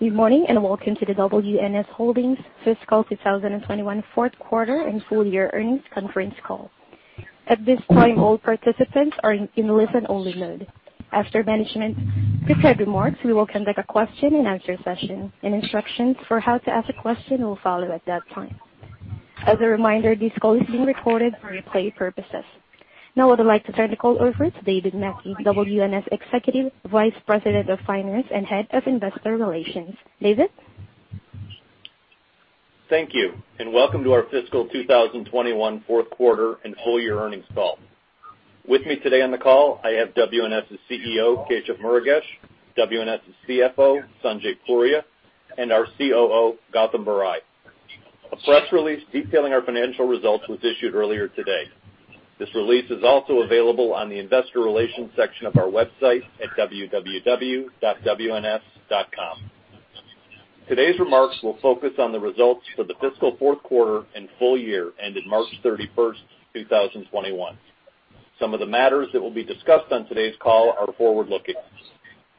Good morning, and welcome to the WNS Holdings Fiscal 2021 fourth quarter and full year earnings conference call. At this time, all participants are in listen only mode. After management's prepared remarks, we will conduct a question-and-answer session, and instructions for how to ask a question will follow at that time. As a reminder, this call is being recorded for replay purposes. Now I would like to turn the call over to David Mackey, WNS Executive Vice President of Finance and Head of Investor Relations. David? Thank you. Welcome to our fiscal 2021 fourth quarter and full year earnings call. With me today on the call, I have WNS's CEO, Keshav Murugesh, WNS's CFO, Sanjay Puria, and our COO, Gautam Barai. A press release detailing our financial results was issued earlier today. This release is also available on the investor relations section of our website at www.wns.com. Today's remarks will focus on the results for the fiscal fourth quarter and full year ended March 31st, 2021. Some of the matters that will be discussed on today's call are forward-looking.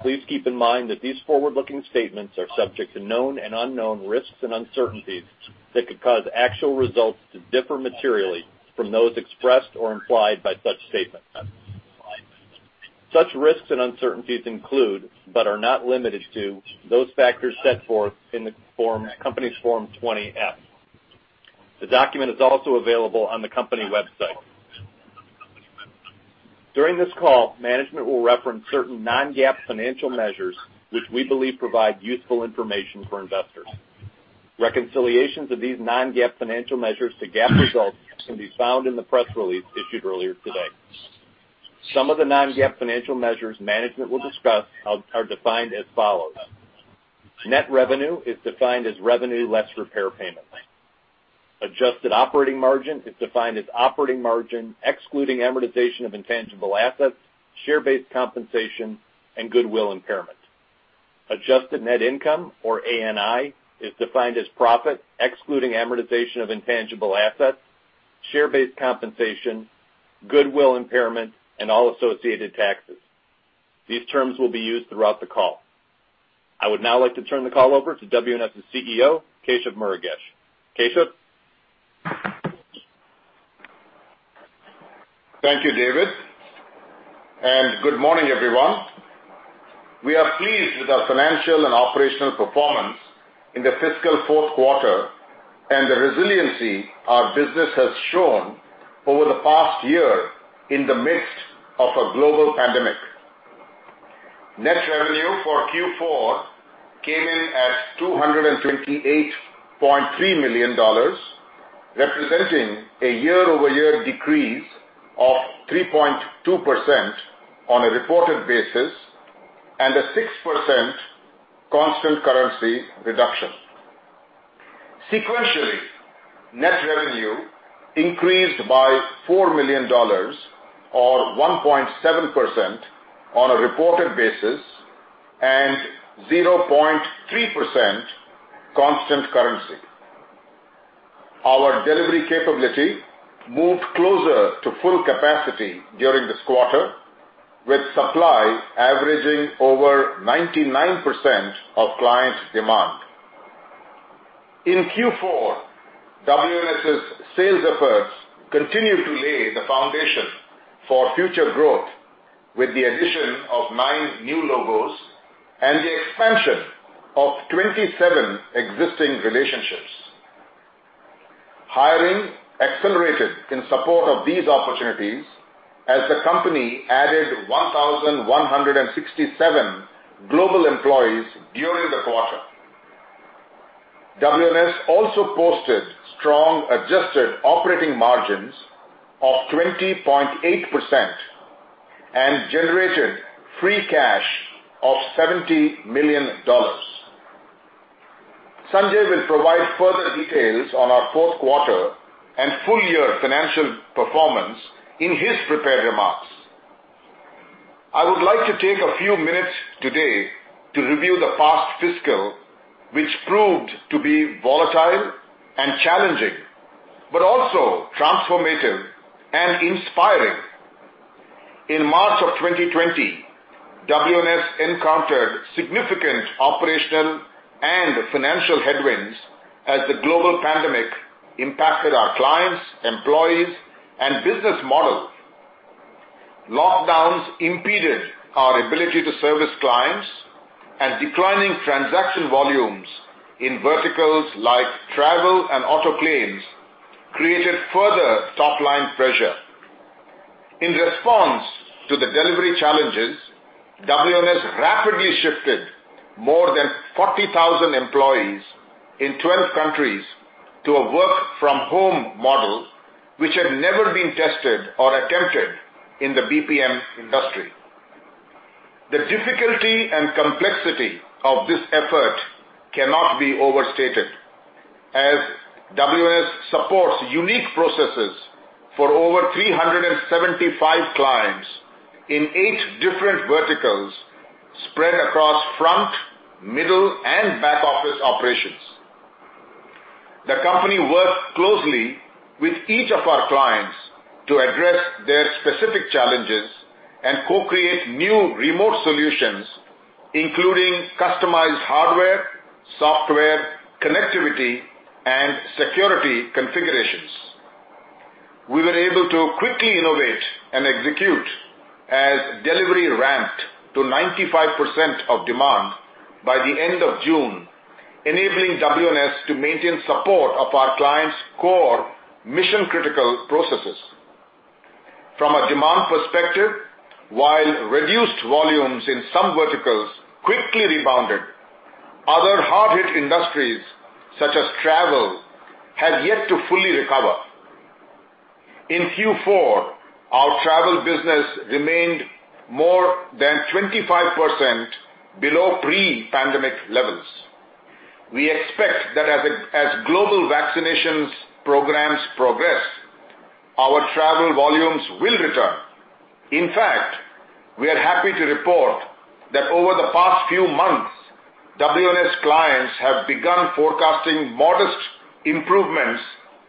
Please keep in mind that these forward-looking statements are subject to known and unknown risks and uncertainties that could cause actual results to differ materially from those expressed or implied by such statements. Such risks and uncertainties include, but are not limited to, those factors set forth in the company's Form 20-F. The document is also available on the company website. During this call, management will reference certain non-GAAP financial measures which we believe provide useful information for investors. Reconciliations of these non-GAAP financial measures to GAAP results can be found in the press release issued earlier today. Some of the non-GAAP financial measures management will discuss are defined as follows. Net revenue is defined as revenue less repair payments. Adjusted operating margin is defined as operating margin excluding amortization of intangible assets, share-based compensation, and goodwill impairment. Adjusted net income or ANI is defined as profit excluding amortization of intangible assets, share-based compensation, goodwill impairment, and all associated taxes. These terms will be used throughout the call. I would now like to turn the call over to WNS's CEO, Keshav Murugesh. Keshav? Thank you, David. Good morning, everyone. We are pleased with our financial and operational performance in the fiscal fourth quarter and the resiliency our business has shown over the past year in the midst of a global pandemic. Net revenue for Q4 came in at $228.3 million, representing a year-over-year decrease of 3.2% on a reported basis and a 6% constant currency reduction. Sequentially, net revenue increased by $4 million or 1.7% on a reported basis and 0.3% constant currency. Our delivery capability moved closer to full capacity during this quarter, with supply averaging over 99% of client demand. In Q4, WNS's sales efforts continued to lay the foundation for future growth with the addition of nine new logos and the expansion of 27 existing relationships. Hiring accelerated in support of these opportunities as the company added 1,167 global employees during the quarter. WNS also posted strong adjusted operating margins of 20.8% and generated free cash of $70 million. Sanjay will provide further details on our fourth quarter and full year financial performance in his prepared remarks. I would like to take a few minutes today to review the past fiscal, which proved to be volatile and challenging, but also transformative and inspiring. In March of 2020, WNS encountered significant operational and financial headwinds as the global pandemic impacted our clients, employees, and business model. Lockdowns impeded our ability to service clients, and declining transaction volumes in verticals like travel and auto claims created further top-line pressure. In response to the delivery challenges, WNS rapidly shifted more than 40,000 employees in 12 countries to a work-from-home model, which had never been tested or attempted in the BPM industry. The difficulty and complexity of this effort cannot be overstated, as WNS supports unique processes for over 375 clients in eight different verticals spread across front, middle, and back-office operations. The company worked closely with each of our clients to address their specific challenges and co-create new remote solutions, including customized hardware, software, connectivity, and security configurations. We were able to quickly innovate and execute as delivery ramped to 95% of demand by the end of June, enabling WNS to maintain support of our clients' core mission-critical processes. From a demand perspective, while reduced volumes in some verticals quickly rebounded, other hard-hit industries, such as travel, have yet to fully recover. In Q4, our travel business remained more than 25% below pre-pandemic levels. We expect that as global vaccinations programs progress, our travel volumes will return. In fact, we are happy to report that over the past few months, WNS clients have begun forecasting modest improvements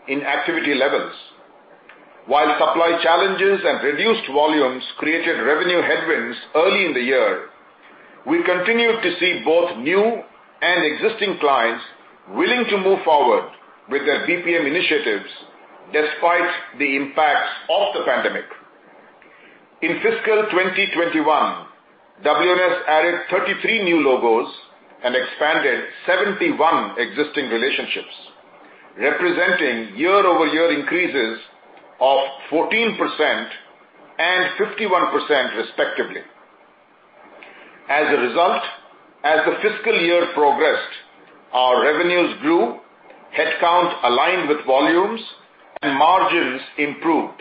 in activity levels. While supply challenges and reduced volumes created revenue headwinds early in the year, we continued to see both new and existing clients willing to move forward with their BPM initiatives despite the impacts of the pandemic. In fiscal 2021, WNS added 33 new logos and expanded 71 existing relationships, representing year-over-year increases of 14% and 51% respectively. As a result, as the fiscal year progressed, our revenues grew, headcount aligned with volumes, and margins improved.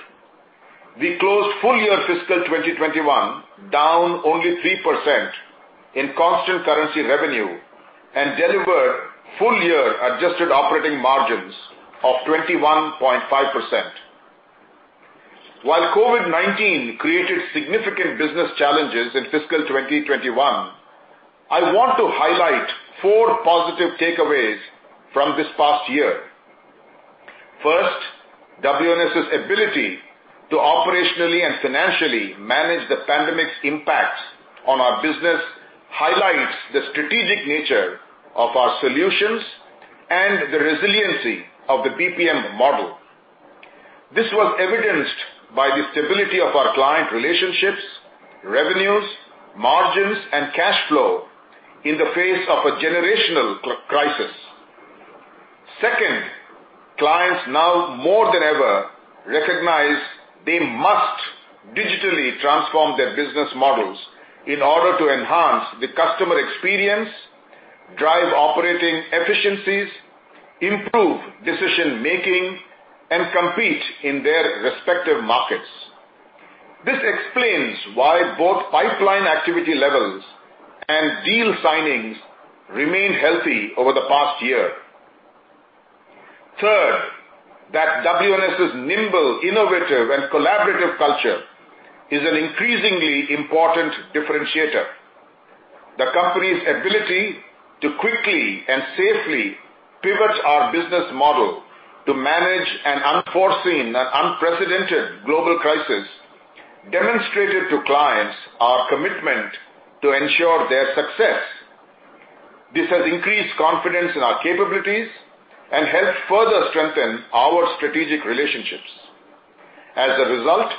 We closed full year fiscal 2021 down only 3% in constant currency revenue and delivered full-year adjusted operating margins of 21.5%. While COVID-19 created significant business challenges in fiscal 2021, I want to highlight four positive takeaways from this past year. First, WNS's ability to operationally and financially manage the pandemic's impacts on our business highlights the strategic nature of our solutions and the resiliency of the BPM model. This was evidenced by the stability of our client relationships, revenues, margins, and cash flow in the face of a generational crisis. Second, clients now more than ever recognize they must digitally transform their business models in order to enhance the customer experience, drive operating efficiencies, improve decision-making, and compete in their respective markets. This explains why both pipeline activity levels and deal signings remained healthy over the past year. Third, that WNS's nimble, innovative, and collaborative culture is an increasingly important differentiator. The company's ability to quickly and safely pivot our business model to manage an unforeseen and unprecedented global crisis demonstrated to clients our commitment to ensure their success. This has increased confidence in our capabilities and helped further strengthen our strategic relationships. As a results,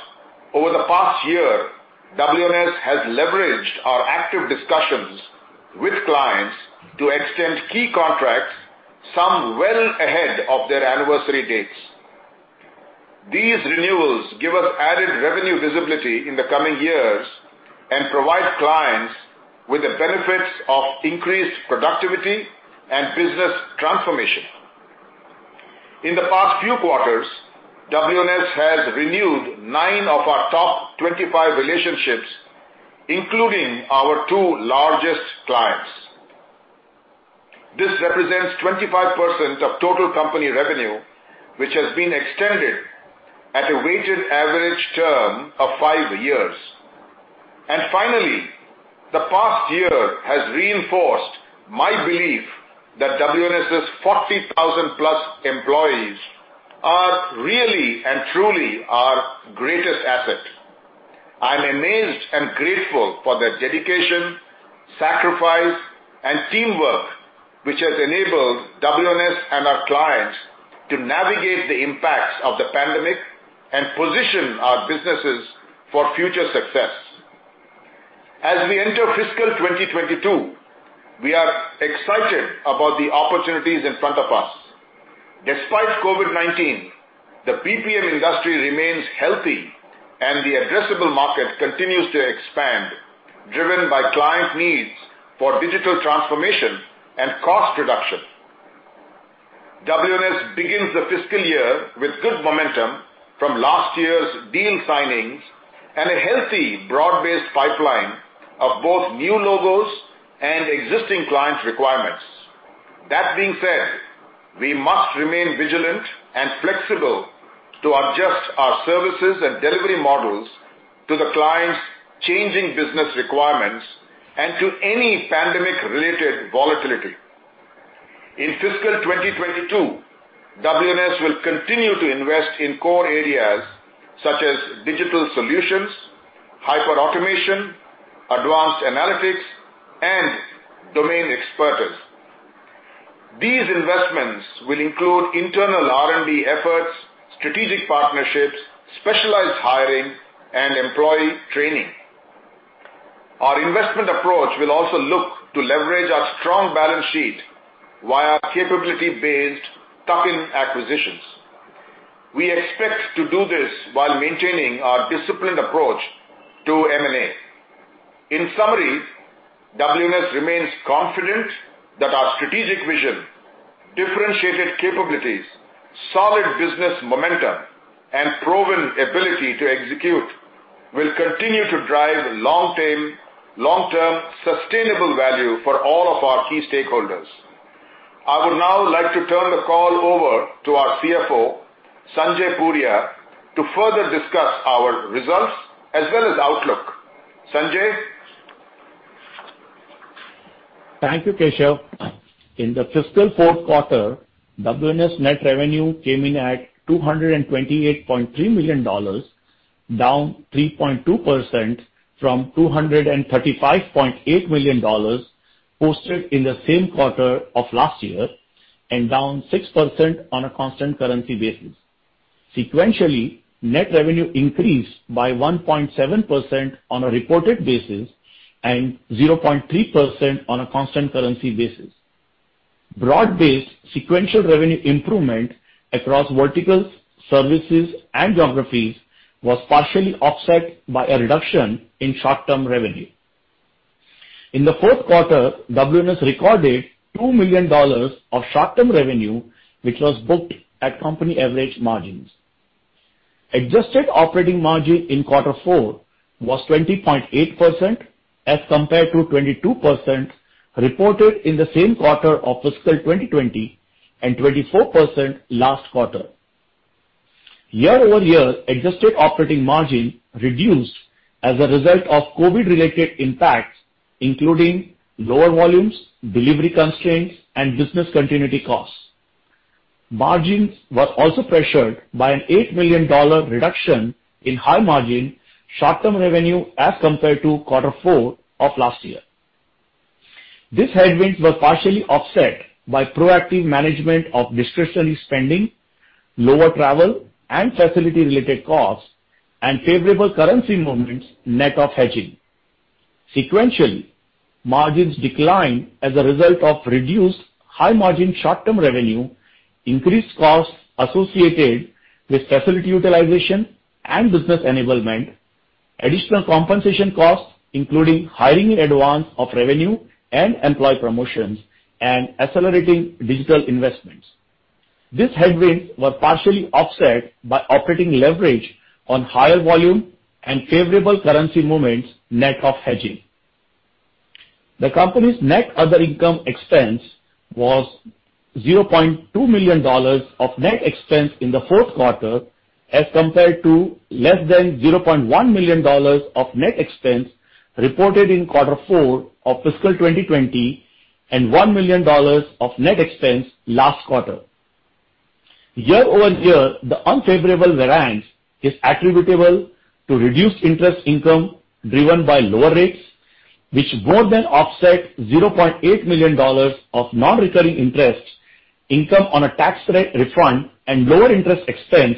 over the past year, WNS has leveraged our active discussions with clients to extend key contracts, some well ahead of their anniversary dates. These renewals give us added revenue visibility in the coming years and provide clients with the benefits of increased productivity and business transformation. In the past few quarters, WNS has renewed nine of our top 25 relationships, including our two largest clients. This represents 25% of total company revenue, which has been extended at a weighted average term of five years. Finally, the past year has reinforced my belief that WNS's 40,000+ employees are really and truly our greatest asset. I'm amazed and grateful for their dedication, sacrifice, and teamwork, which has enabled WNS and our clients to navigate the impacts of the pandemic and position our businesses for future success. As we enter fiscal 2022, we are excited about the opportunities in front of us. Despite COVID-19, the BPM industry remains healthy, and the addressable market continues to expand, driven by client needs for digital transformation and cost reduction. WNS begins the fiscal year with good momentum from last year's deal signings and a healthy, broad-based pipeline of both new logos and existing clients' requirements. That being said, we must remain vigilant and flexible to adjust our services and delivery models to the clients' changing business requirements and to any pandemic-related volatility. In fiscal 2022, WNS will continue to invest in core areas such as digital solutions, hyperautomation, advanced analytics, and domain expertise. These investments will include internal R&D efforts, strategic partnerships, specialized hiring, and employee training. Our investment approach will also look to leverage our strong balance sheet via capability-based tuck-in acquisitions. We expect to do this while maintaining our disciplined approach to M&A. In summary, WNS remains confident that our strategic vision, differentiated capabilities, solid business momentum, and proven ability to execute will continue to drive long-term sustainable value for all of our key stakeholders. I would now like to turn the call over to our CFO, Sanjay Puria, to further discuss our results as well as outlook. Sanjay? Thank you, Keshav. In the fiscal fourth quarter, WNS net revenue came in at $228.3 million, down 3.2% from $235.8 million posted in the same quarter of last year, and down 6% on a constant currency basis. Sequentially, net revenue increased by 1.7% on a reported basis and 0.3% on a constant currency basis. Broad-based sequential revenue improvement across verticals, services, and geographies was partially offset by a reduction in short-term revenue. In the fourth quarter, WNS recorded $2 million of short-term revenue, which was booked at company average margins. Adjusted operating margin in quarter four was 20.8% as compared to 22% reported in the same quarter of fiscal 2020 and 24% last quarter. Year-over-year adjusted operating margin reduced as a result of COVID-related impacts, including lower volumes, delivery constraints, and business continuity costs. Margins were also pressured by an $8 million reduction in high margin short-term revenue as compared to quarter four of last year. These headwinds were partially offset by proactive management of discretionary spending, lower travel and facility-related costs, and favorable currency movements net of hedging. Sequentially, margins declined as a result of reduced high-margin short-term revenue, increased costs associated with facility utilization and business enablement, additional compensation costs, including hiring in advance of revenue and employee promotions, and accelerating digital investments. These headwinds were partially offset by operating leverage on higher volume and favorable currency movements net of hedging. The company's net other income expense was $0.2 million of net expense in the fourth quarter as compared to less than $0.1 million of net expense reported in quarter four of fiscal 2020 and $1 million of net expense last quarter. Year-over-year, the unfavorable variance is attributable to reduced interest income driven by lower rates, which more than offset $0.8 million of non-recurring interest income on a tax refund and lower interest expense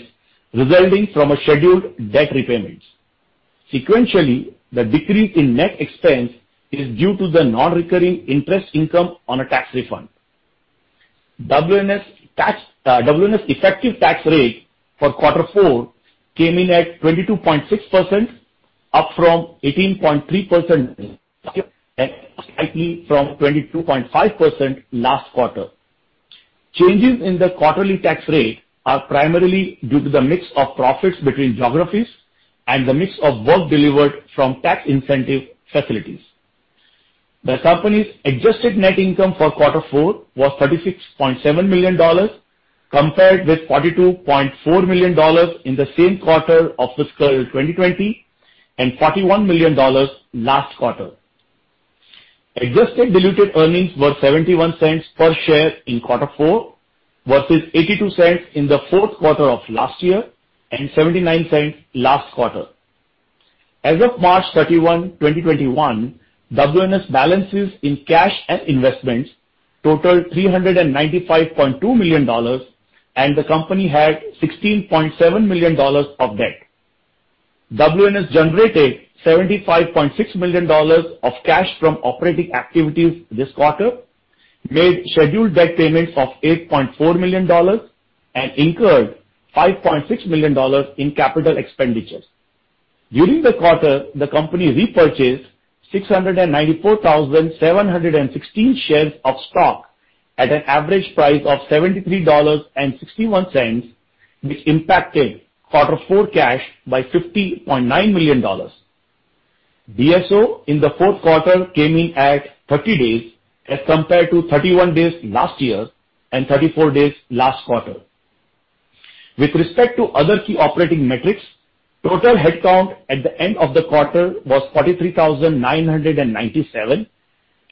resulting from scheduled debt repayments. Sequentially, the decrease in net expense is due to the non-recurring interest income on a tax refund. WNS effective tax rate for quarter four came in at 22.6%, up from 18.3%, and slightly from 22.5% last quarter. Changes in the quarterly tax rate are primarily due to the mix of profits between geographies and the mix of work delivered from tax incentive facilities. The company's adjusted net income for quarter four was $36.7 million, compared with $42.4 million in the same quarter of fiscal 2020 and $41 million last quarter. Adjusted diluted earnings were $0.71 per share in quarter four versus $0.82 in the fourth quarter of last year and $0.79 last quarter. As of March 31, 2021, WNS balances in cash and investments totaled $395.2 million and the company had $16.7 million of debt. WNS generated $75.6 million of cash from operating activities this quarter, made scheduled debt payments of $8.4 million, and incurred $5.6 million in capital expenditures. During the quarter, the company repurchased 694,716 shares of stock at an average price of $73.61, which impacted quarter four cash by $50.9 million. DSO in the fourth quarter came in at 30 days as compared to 31 days last year and 34 days last quarter. With respect to other key operating metrics, total headcount at the end of the quarter was 43,997,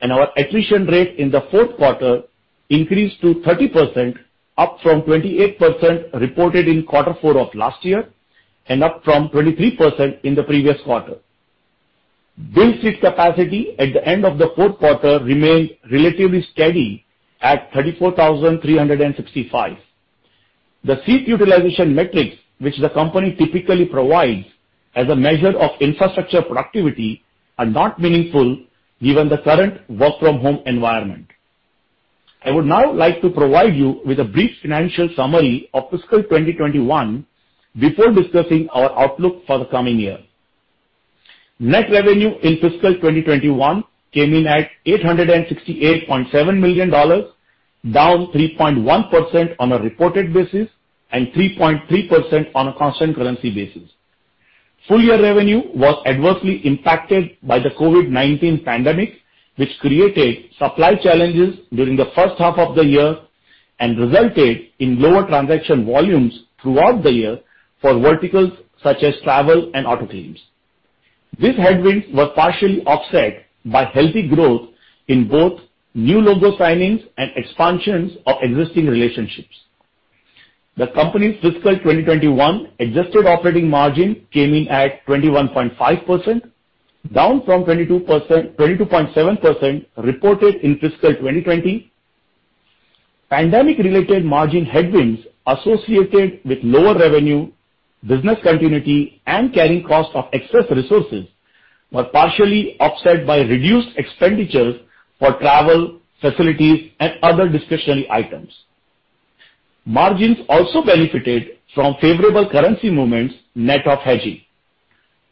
and our attrition rate in the fourth quarter increased to 30%, up from 28% reported in quarter four of last year and up from 23% in the previous quarter. Billed seat capacity at the end of the fourth quarter remained relatively steady at 34,365. The seat utilization metrics, which the company typically provides as a measure of infrastructure productivity, are not meaningful given the current work-from-home environment. I would now like to provide you with a brief financial summary of fiscal 2021 before discussing our outlook for the coming year. Net revenue in fiscal 2021 came in at $868.7 million, down 3.1% on a reported basis and 3.3% on a constant currency basis. Full-year revenue was adversely impacted by the COVID-19 pandemic, which created supply challenges during the first half of the year and resulted in lower transaction volumes throughout the year for verticals such as travel and auto claims. These headwinds were partially offset by healthy growth in both new logo signings and expansions of existing relationships. The company's fiscal 2021 adjusted operating margin came in at 21.5%, down from 22.7% reported in fiscal 2020. Pandemic-related margin headwinds associated with lower revenue, business continuity, and carrying costs of excess resources were partially offset by reduced expenditures for travel, facilities, and other discretionary items. Margins also benefited from favorable currency movements net of hedging.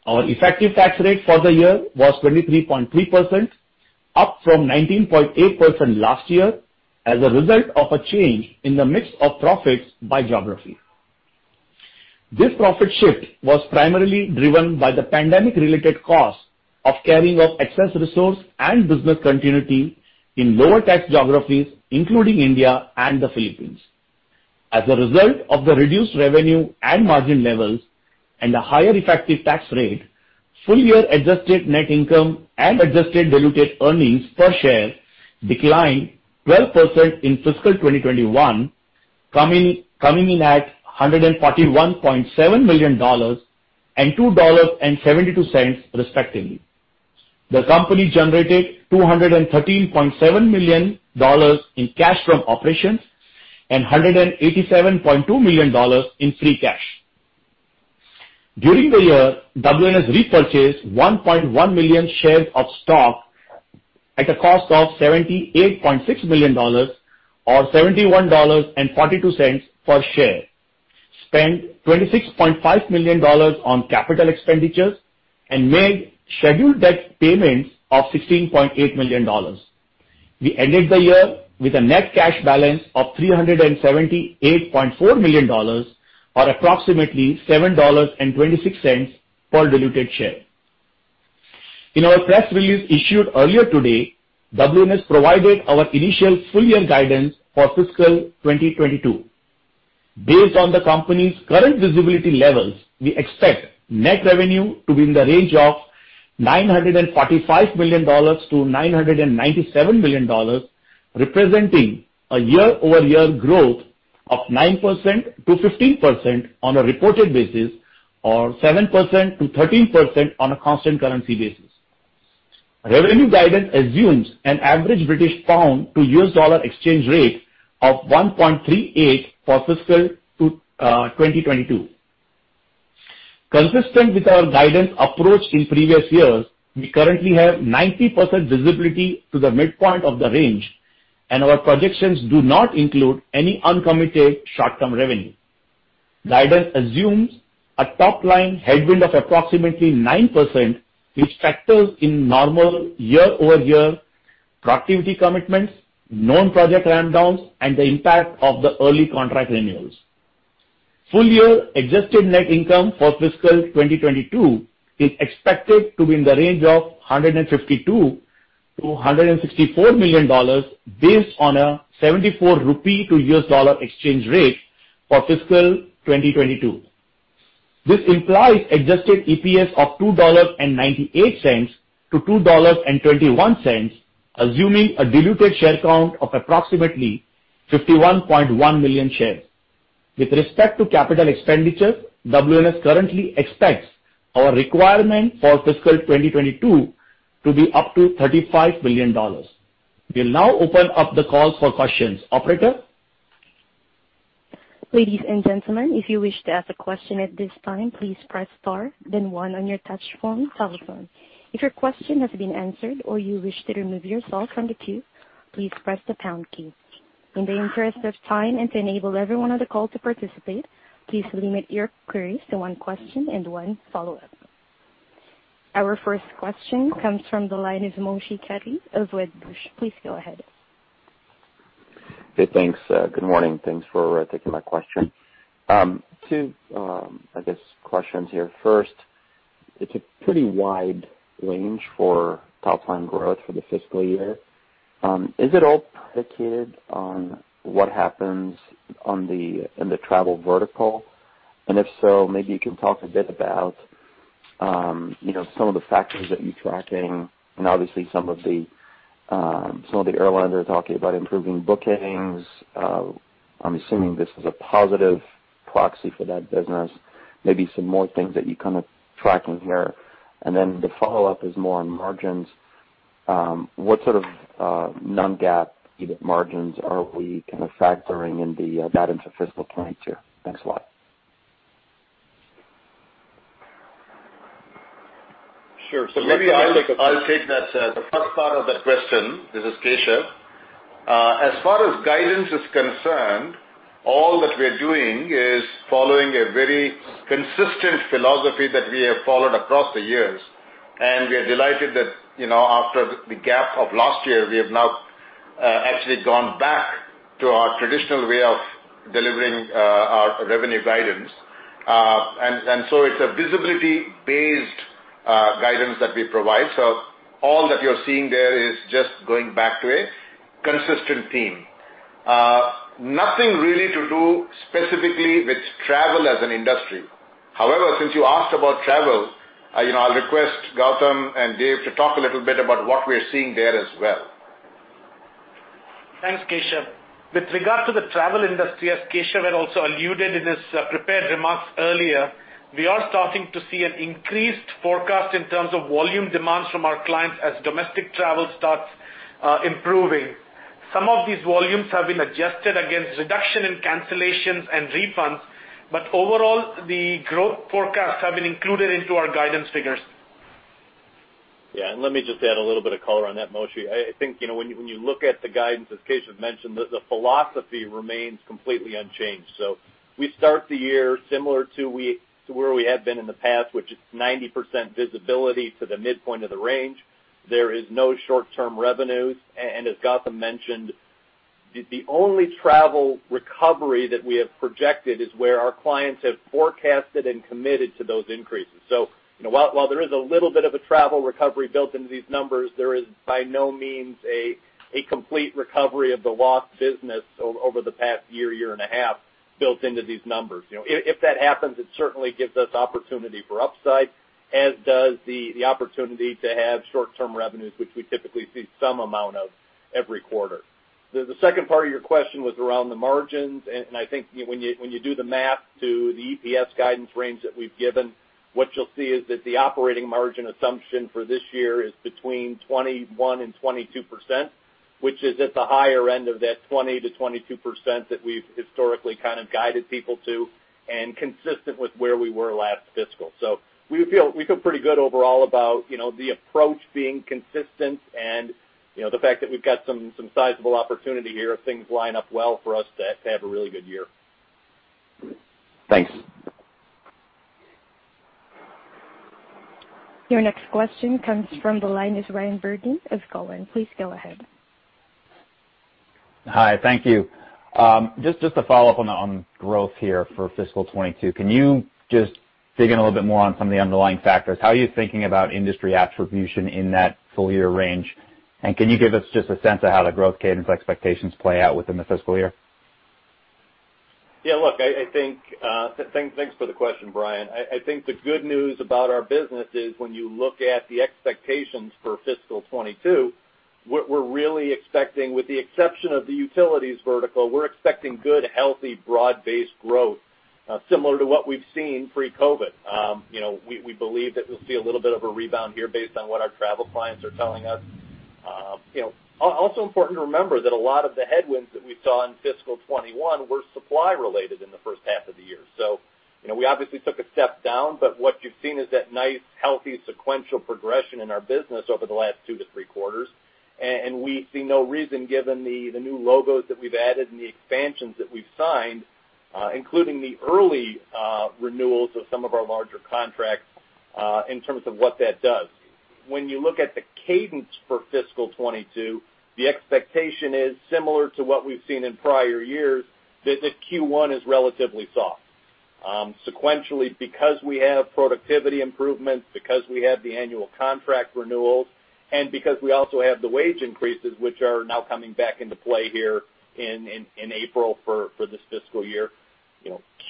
Our effective tax rate for the year was 23.3%, up from 19.8% last year as a result of a change in the mix of profits by geography. This profit shift was primarily driven by the pandemic-related costs of carrying of excess resource and business continuity in lower-tax geographies, including India and the Philippines. As a result of the reduced revenue and margin levels and a higher effective tax rate, full-year adjusted net income and adjusted diluted earnings per share declined 12% in fiscal 2021, coming in at $141.7 million and $2.72, respectively. The company generated $213.7 million in cash from operations and $187.2 million in free cash. During the year, WNS repurchased 1.1 million shares of stock at a cost of $78.6 million or $71.42 per share, spent $26.5 million on capital expenditures and made scheduled debt payments of $16.8 million. We ended the year with a net cash balance of $378.4 million or approximately $7.26 per diluted share. In our press release issued earlier today, WNS provided our initial full-year guidance for fiscal 2022. Based on the company's current visibility levels, we expect net revenue to be in the range of $945 million-$997 million, representing a year-over-year growth of 9%-15% on a reported basis or 7%-13% on a constant currency basis. Revenue guidance assumes an average GBP to US dollar exchange rate of 1.38 for fiscal 2022. Consistent with our guidance approach in previous years, we currently have 90% visibility to the midpoint of the range and our projections do not include any uncommitted short-term revenue. Guidance assumes a top-line headwind of approximately 9%, which factors in normal year-over-year productivity commitments, known project ramp downs and the impact of the early contract renewals. Full-year adjusted net income for fiscal 2022 is expected to be in the range of $152 million-$164 million based on a 74 rupee to U.S. dollar exchange rate for fiscal 2022. This implies adjusted EPS of $2.98-$2.31, assuming a diluted share count of approximately 51.1 million shares. With respect to capital expenditures, WNS currently expects our requirement for fiscal 2022 to be up to $35 million. We will now open up the call for questions. Operator? Ladies and gentlemen, if you wish to ask a question at this time, please press star then one on your touch phone telephone. If your question has been answered or you wish to remove yourself from the queue, please press the pound key. In the interest of time and to enable everyone on the call to participate, please limit your queries to one question and one follow-up. Our first question comes from the line of Moshe Katri of Wedbush. Please go ahead. Hey, thanks. Good morning. Thanks for taking my question. Two, I guess, questions here. First, it's a pretty wide range for top-line growth for the fiscal year. Is it all predicated on what happens in the travel vertical? If so, maybe you can talk a bit about some of the factors that you're tracking, obviously some of the airlines are talking about improving bookings. I'm assuming this is a positive proxy for that business. Maybe some more things that you're tracking here. Then the follow-up is more on margins. What sort of non-GAAP EBIT margins are we factoring that into fiscal 2022? Thanks a lot. Sure. Maybe I'll take the first part of that question. This is Keshav. As far as guidance is concerned, all that we're doing is following a very consistent philosophy that we have followed across the years, and we are delighted that after the gap of last year, we have now actually gone back to our traditional way of delivering our revenue guidance. It's a visibility-based guidance that we provide. All that you're seeing there is just going back to a consistent theme. Nothing really to do specifically with travel as an industry. However, since you asked about travel, I'll request Gautam and Dave to talk a little bit about what we're seeing there as well. Thanks, Keshav. With regard to the travel industry, as Keshav had also alluded in his prepared remarks earlier, we are starting to see an increased forecast in terms of volume demands from our clients as domestic travel starts improving. Some of these volumes have been adjusted against reduction in cancellations and refunds, overall, the growth forecasts have been included into our guidance figures. Yeah, let me just add a little bit of color on that, Moshe. I think, when you look at the guidance, as Keshav mentioned, the philosophy remains completely unchanged. We start the year similar to where we have been in the past, which is 90% visibility to the midpoint of the range. There is no short-term revenues, and as Gautam mentioned, the only travel recovery that we have projected is where our clients have forecasted and committed to those increases. While there is a little bit of a travel recovery built into these numbers, there is by no means a complete recovery of the lost business over the past year and a half, built into these numbers. If that happens, it certainly gives us opportunity for upside, as does the opportunity to have short-term revenues, which we typically see some amount of every quarter. The second part of your question was around the margins, and I think when you do the math to the EPS guidance range that we've given, what you'll see is that the operating margin assumption for this year is between 21%-22%, which is at the higher end of that 20%-22% that we've historically guided people to, and consistent with where we were last fiscal. So we feel pretty good overall about the approach being consistent and the fact that we've got some sizable opportunity here if things line up well for us to have a really good year. Thanks. Your next question comes from the line is Bryan Bergin of Cowen. Please go ahead. Hi, thank you. Just to follow up on growth here for fiscal 2022, can you just dig in a little bit more on some of the underlying factors? How are you thinking about industry attribution in that full-year range, and can you give us just a sense of how the growth cadence expectations play out within the fiscal year? Yeah, look, thanks for the question, Bryan. I think the good news about our business is when you look at the expectations for fiscal 2022, what we're really expecting, with the exception of the utilities vertical, we're expecting good, healthy, broad-based growth, similar to what we've seen pre-COVID. We believe that we'll see a little bit of a rebound here based on what our travel clients are telling us. Also important to remember that a lot of the headwinds that we saw in fiscal 2021 were supply-related in the first half of the year. We obviously took a step down, but what you've seen is that nice, healthy sequential progression in our business over the last two to three quarters. We see no reason, given the new logos that we've added and the expansions that we've signed, including the early renewals of some of our larger contracts, in terms of what that does. When you look at the cadence for fiscal 2022, the expectation is similar to what we've seen in prior years, that the Q1 is relatively soft. Sequentially, because we have productivity improvements, because we have the annual contract renewals, and because we also have the wage increases, which are now coming back into play here in April for this fiscal year.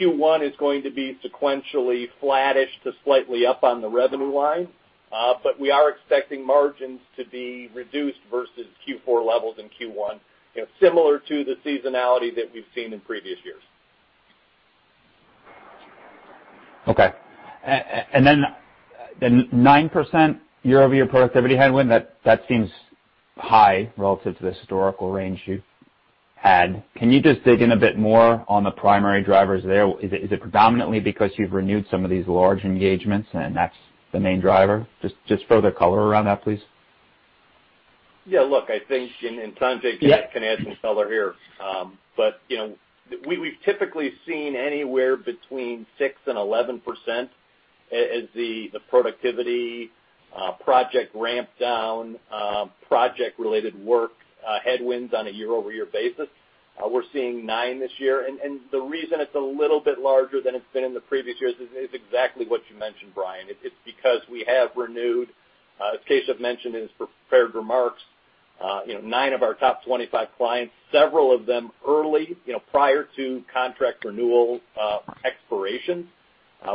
Q1 is going to be sequentially flattish to slightly up on the revenue line. We are expecting margins to be reduced versus Q4 levels in Q1, similar to the seasonality that we've seen in previous years. Okay. Then the 9% year-over-year productivity headwind, that seems high relative to the historical range you've had. Can you just dig in a bit more on the primary drivers there? Is it predominantly because you've renewed some of these large engagements and that's the main driver? Just further color around that, please. Sanjay can add some color here. We've typically seen anywhere between 6% and 11%. As the productivity project ramp down, project-related work headwinds on a year-over-year basis, we're seeing 9% this year. The reason it's a little bit larger than it's been in the previous years is exactly what you mentioned, Bryan. It's because we have renewed, as Keshav mentioned in his prepared remarks, nine of our top 25 clients, several of them early, prior to contract renewal expiration,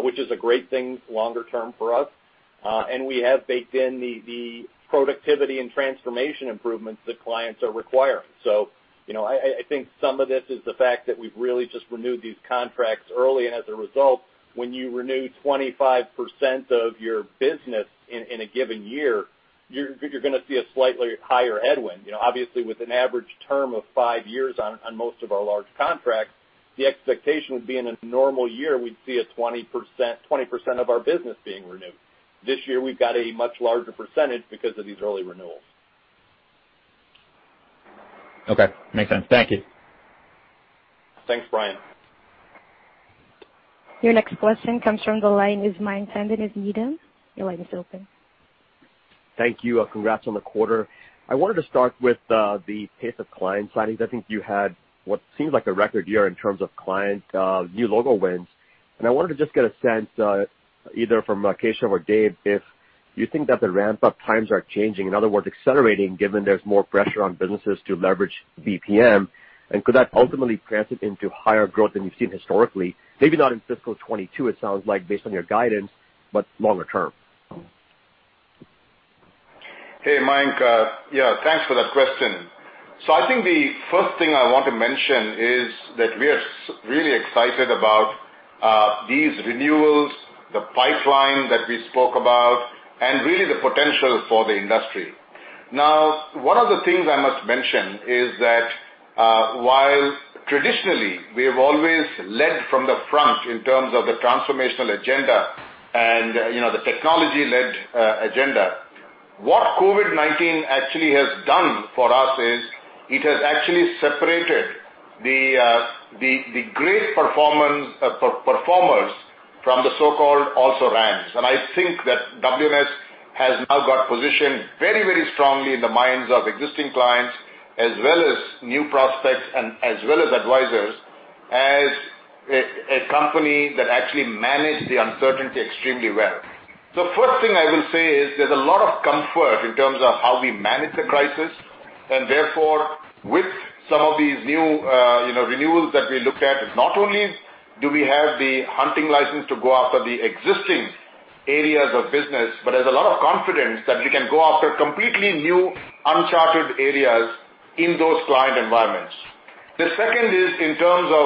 which is a great thing longer term for us. We have baked in the productivity and transformation improvements that clients are requiring. I think some of this is the fact that we've really just renewed these contracts early, and as a result, when you renew 25% of your business in a given year, you're going to see a slightly higher headwind. Obviously, with an average term of five years on most of our large contracts, the expectation would be in a normal year, we'd see a 20% of our business being renewed. This year, we've got a much larger percentage, because of these early renewals. Okay. Makes sense. Thank you. Thanks, Bryan. Your next question comes from the line with Mayank Tandon at Needham. Your line is open. Thank you. Congrats on the quarter. I wanted to start with the pace of client signings. I think you had what seems like a record year in terms of client new logo wins, and I wanted to just get a sense, either from Keshav or Dave, if you think that the ramp-up times are changing, in other words, accelerating, given there's more pressure on businesses to leverage BPM, and could that ultimately translate into higher growth than we've seen historically? Maybe not in fiscal 2022, it sounds like, based on your guidance, but longer term. Hey, Mayank. Yeah, thanks for that question. I think the first thing I want to mention is that we are really excited about these renewals, the pipeline that we spoke about, and really the potential for the industry. Now, one of the things I must mention is that, while traditionally, we have always led from the front in terms of the transformational agenda and the technology-led agenda, what COVID-19 actually has done for us is it has actually separated the great performers from the so-called also-rans. I think that WNS has now got positioned very strongly in the minds of existing clients, as well as new prospects, and as well as advisors, as a company that actually managed the uncertainty extremely well. First thing I will say is, there's a lot of comfort in terms of how we manage the crisis, and therefore, with some of these new renewals that we looked at, not only do we have the hunting license to go after the existing areas of business, but there's a lot of confidence that we can go after completely new, uncharted areas in those client environments. The second is in terms of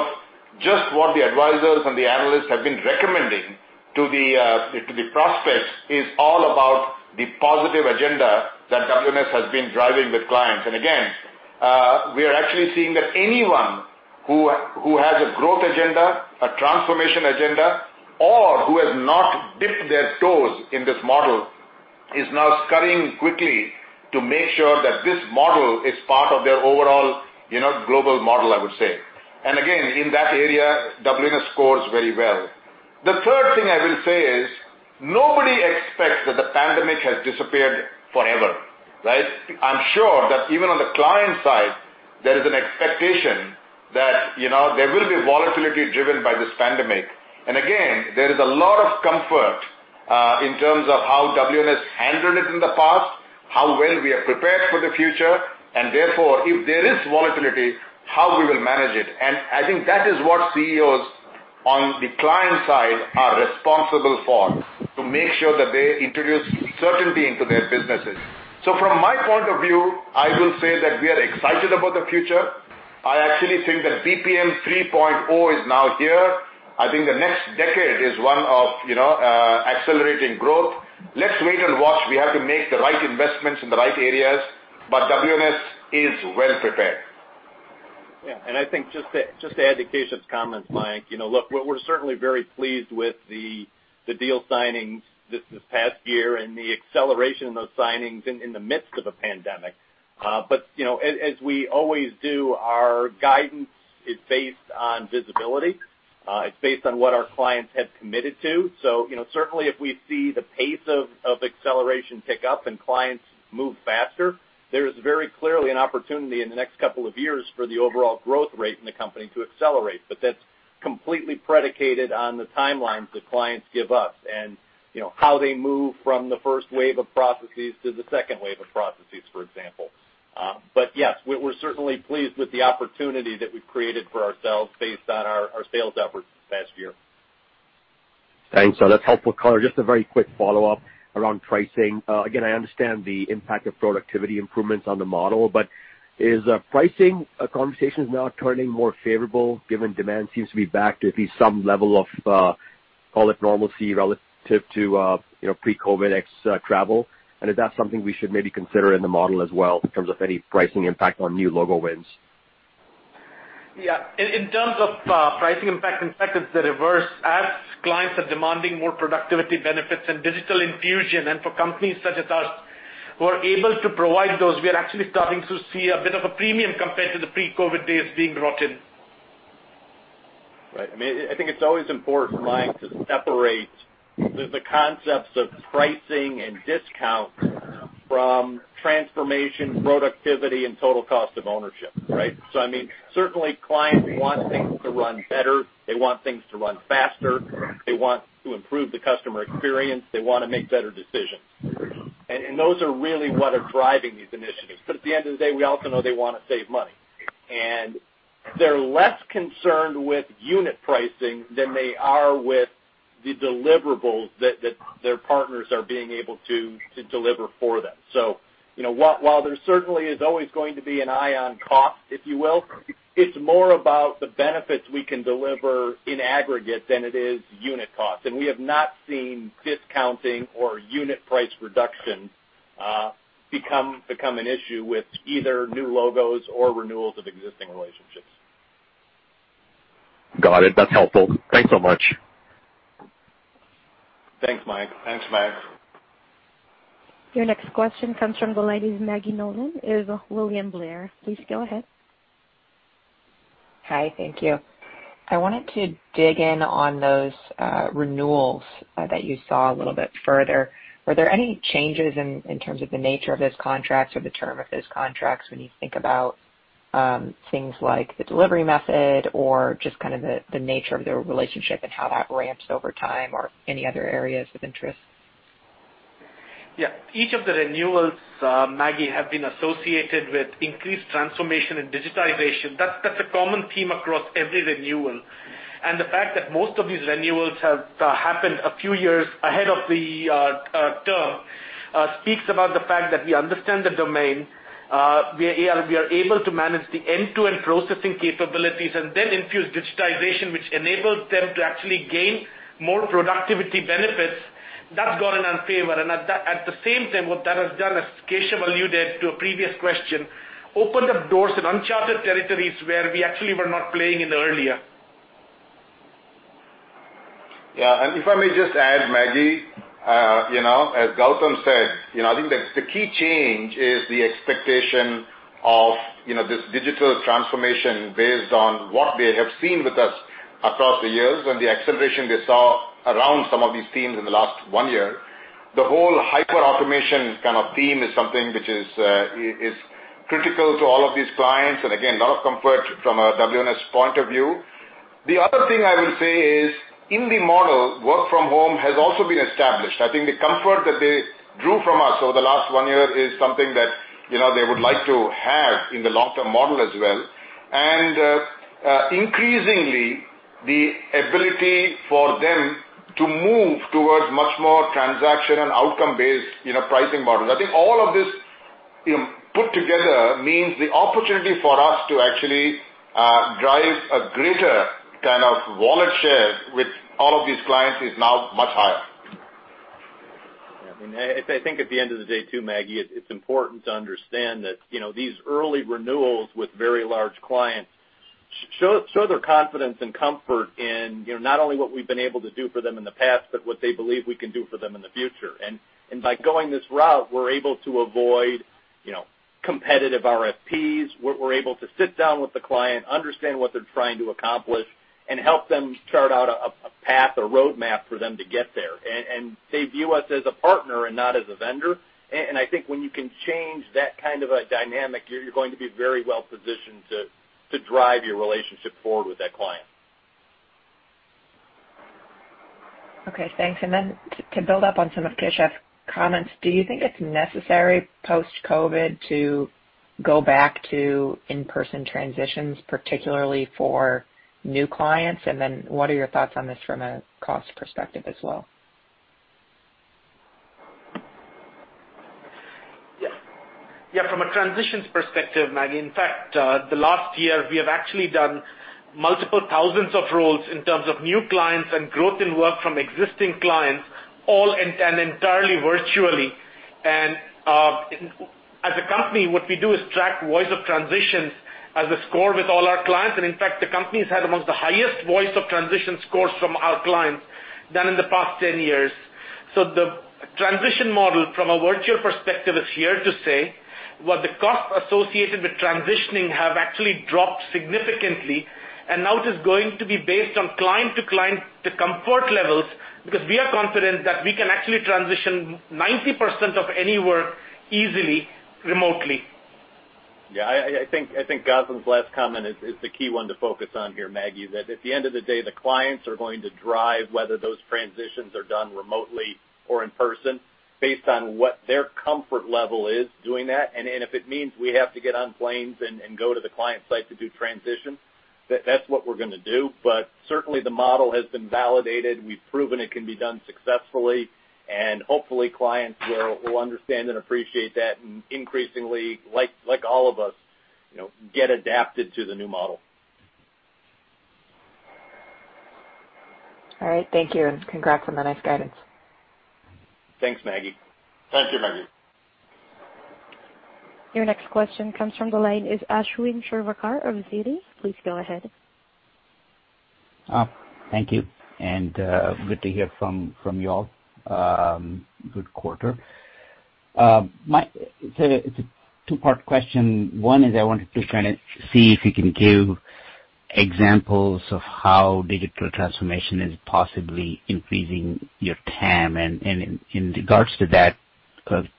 just what the advisors and the analysts have been recommending to the prospects is all about the positive agenda that WNS has been driving with clients. Again, we are actually seeing that anyone who has a growth agenda, a transformation agenda, or who has not dipped their toes in this model, is now scurrying quickly to make sure that this model is part of their overall global model, I would say. Again, in that area, WNS scores very well. The third thing I will say is, nobody expects that the pandemic has disappeared forever, right? I am sure that even on the client side, there is an expectation that there will be volatility driven by this pandemic. Again, there is a lot of comfort in terms of how WNS handled it in the past, how well we are prepared for the future, and therefore, if there is volatility, how we will manage it. I think that is what CEOs on the client side are responsible for, to make sure that they introduce certainty into their businesses. From my point of view, I will say that we are excited about the future. I actually think that BPM 3.0 is now here. I think the next decade is one of accelerating growth. Let's wait and watch. We have to make the right investments in the right areas, but WNS is well prepared. Yeah. I think just to add to Keshav's comments, Mayank, look, we're certainly very pleased with the deal signings this past year and the acceleration of those signings in the midst of a pandemic. As we always do, our guidance is based on visibility. It's based on what our clients have committed to. Certainly, if we see the pace of acceleration pick up and clients move faster, there is very clearly an opportunity in the next couple of years for the overall growth rate in the company to accelerate. That's completely predicated on the timelines that clients give us and how they move from the first wave of processes to the second wave of processes, for example. Yes, we're certainly pleased with the opportunity that we've created for ourselves based on our sales efforts this past year. Thanks. That's helpful color. Just a very quick follow-up around pricing. Again, I understand the impact of productivity improvements on the model, is pricing conversations now turning more favorable given demand seems to be back to at least some level of, call it normalcy relative to pre-COVID travel? Is that something we should maybe consider in the model as well in terms of any pricing impact on new logo wins? Yeah. In terms of pricing impact, in fact, it's the reverse. As clients are demanding more productivity benefits and digital infusion, and for companies such as us who are able to provide those, we are actually starting to see a bit of a premium compared to the pre-COVID days being brought in. Right. I think it's always important, Mayank, to separate the concepts of pricing and discount from transformation, productivity, and total cost of ownership, right? Certainly, clients want things to run better. They want things to run faster. They want to improve the customer experience. They want to make better decisions. Those are really what are driving these initiatives. At the end of the day, we also know they want to save money. They're less concerned with unit pricing than they are with the deliverables that their partners are being able to deliver for them. While there certainly is always going to be an eye on cost, if you will, it's more about the benefits we can deliver in aggregate than it is unit cost. We have not seen discounting or unit price reduction become an issue with either new logos or renewals of existing relationships. Got it. That's helpful. Thanks so much. Thanks, Mayank. Thanks, Mayank. Your next question comes from the line of Maggie Nolan with William Blair. Please go ahead. Hi. Thank you. I wanted to dig in on those renewals that you saw a little bit further. Were there any changes in terms of the nature of those contracts or the term of those contracts when you think about things like the delivery method or just kind of the nature of the relationship and how that ramps over time or any other areas of interest? Each of the renewals, Maggie, have been associated with increased transformation and digitization. That's a common theme across every renewal. The fact that most of these renewals have happened a few years ahead of the term speaks about the fact that we understand the domain, we are able to manage the end-to-end processing capabilities and then infuse digitization, which enables them to actually gain more productivity benefits. That's gone in our favor. At the same time, what that has done, as Keshav alluded to a previous question, opened up doors in uncharted territories where we actually were not playing in earlier. If I may just add, Maggie, as Gautam said, I think that the key change is the expectation of this digital transformation based on what they have seen with us across the years and the acceleration they saw around some of these themes in the last one year. The whole hyper automation kind of theme is something which is critical to all of these clients and again, a lot of comfort from a WNS point of view. The other thing I will say is, in the model, work from home has also been established. I think the comfort that they drew from us over the last one year is something that they would like to have in the long-term model as well. Increasingly, the ability for them to move towards much more transaction and outcome-based pricing models. I think all of this put together means the opportunity for us to actually drive a greater kind of wallet share with all of these clients is now much higher. Yeah. I think at the end of the day, too, Maggie, it's important to understand that these early renewals with very large clients show their confidence and comfort in not only what we've been able to do for them in the past, but what they believe we can do for them in the future. By going this route, we're able to avoid competitive RFPs. We're able to sit down with the client, understand what they're trying to accomplish, and help them chart out a path or roadmap for them to get there. They view us as a partner and not as a vendor. I think when you can change that kind of a dynamic, you're going to be very well positioned to drive your relationship forward with that client. Okay, thanks. To build up on some of Keshav's comments, do you think it's necessary post-COVID to go back to in-person transitions, particularly for new clients? What are your thoughts on this from a cost perspective as well? Yeah. From a transitions perspective, Maggie, in fact, the last year, we have actually done multiple thousands of roles in terms of new clients and growth in work from existing clients, all and entirely virtually. As a company, what we do is track voice of transitions as a score with all our clients. In fact, the company's had amongst the highest voice of transition scores from our clients than in the past 10 years. The transition model from a virtual perspective is here to stay. What the cost associated with transitioning have actually dropped significantly, and now it is going to be based on client-to-client comfort levels because we are confident that we can actually transition 90% of any work easily, remotely. Yeah, I think Gautam's last comment is the key one to focus on here, Maggie. That at the end of the day, the clients are going to drive whether those transitions are done remotely or in person based on what their comfort level is doing that. If it means we have to get on planes and go to the client site to do transitions, that's what we're going to do. Certainly, the model has been validated. We've proven it can be done successfully, and hopefully clients will understand and appreciate that and increasingly, like all of us, get adapted to the new model. All right. Thank you, and congrats on the nice guidance. Thanks, Maggie. Thank you, Maggie. Your next question comes from the line of Ashwin Shirvaikar of Citi. Please go ahead. Thank you, and good to hear from you all. Good quarter. It's a two-part question. One is I wanted to kind of see if you can give examples of how digital transformation is possibly increasing your TAM. In regards to that,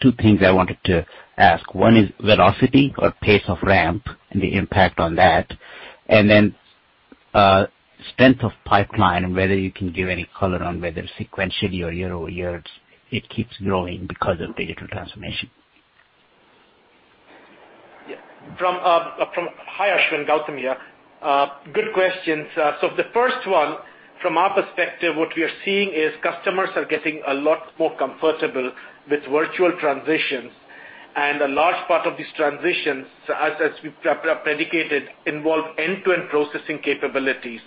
two things I wanted to ask. One is velocity or pace of ramp and the impact on that. Then strength of pipeline and whether you can give any color on whether sequentially or year-over-year it keeps growing because of digital transformation. Hi, Ashwin. Gautam here. Good questions. The first one, from our perspective, what we are seeing is customers are getting a lot more comfortable with virtual transitions. A large part of these transitions, as we've predicated, involve end-to-end processing capabilities.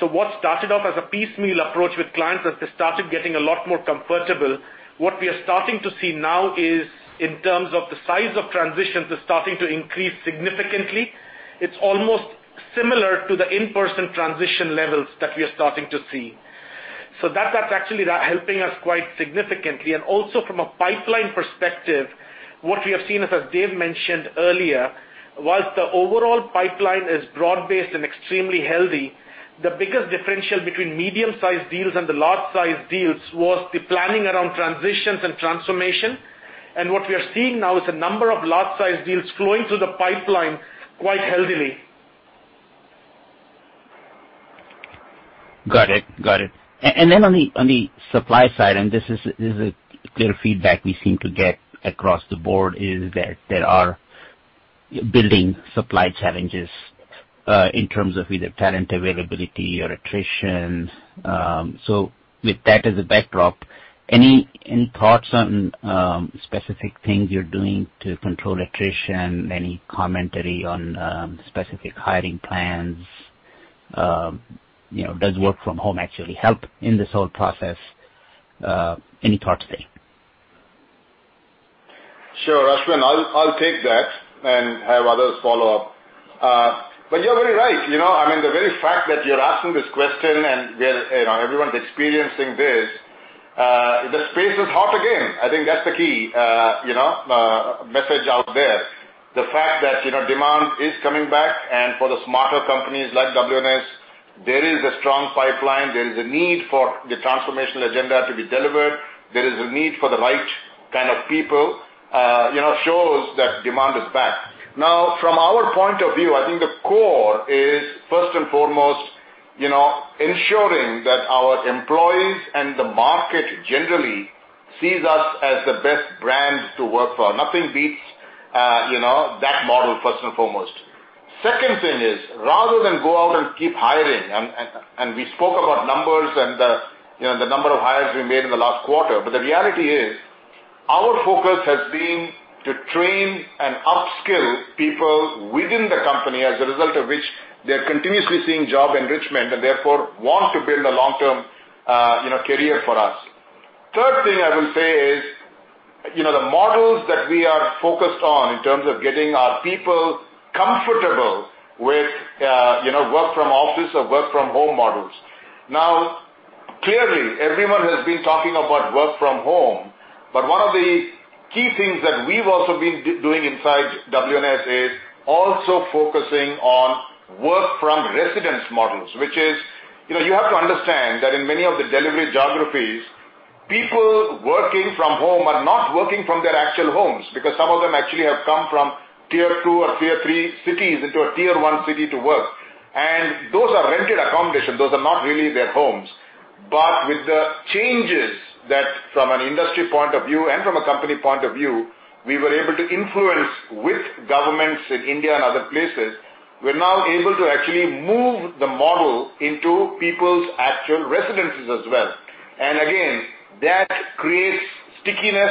What started off as a piecemeal approach with clients as they started getting a lot more comfortable, what we are starting to see now is in terms of the size of transitions is starting to increase significantly. It's almost similar to the in-person transition levels that we are starting to see. That's actually helping us quite significantly. Also from a pipeline perspective, what we have seen, as Dave mentioned earlier, whilst the overall pipeline is broad-based and extremely healthy, the biggest differential between medium-sized deals and the large-sized deals was the planning around transitions and transformation. What we are seeing now is a number of large-sized deals flowing through the pipeline quite healthily. Got it. On the supply side, and this is a clear feedback we seem to get across the board, is that there are building supply challenges in terms of either talent availability or attrition. With that as a backdrop, any thoughts on specific things you're doing to control attrition? Any commentary on specific hiring plans? Does work from home actually help in this whole process? Any thoughts there? Sure, Ashwin. I'll take that and have others follow up. You're very right. I mean, the very fact that you're asking this question and everyone's experiencing this, the space is hot again. I think that's the key message out there. The fact that demand is coming back, and for the smarter companies like WNS, there is a strong pipeline. There is a need for the transformational agenda to be delivered. There is a need for the right kind of people. It shows that demand is back. Now, from our point of view, I think the core is first and foremost ensuring that our employees and the market generally see us as the best brand to work for. Nothing beats that model, first and foremost. Second thing is, rather than go out and keep hiring, we spoke about numbers and the number of hires we made in the last quarter. The reality is, our focus has been to train and upskill people within the company, as a result of which they're continuously seeing job enrichment and therefore want to build a long-term career with us. Third thing I will say is the models that we are focused on in terms of getting our people comfortable with work from office or work from home models. Clearly, everyone has been talking about work from home, one of the key things that we've also been doing inside WNS is also focusing on work from residence models. You have to understand that in many of the delivery geographies, people working from home are not working from their actual homes because some of them actually have come from tier two or tier three cities into a tier one city to work. Those are rented accommodations. Those are not really their homes. With the changes that from an industry point of view and from a company point of view, we were able to influence with governments in India and other places. We're now able to actually move the model into people's actual residences as well. Again, that creates stickiness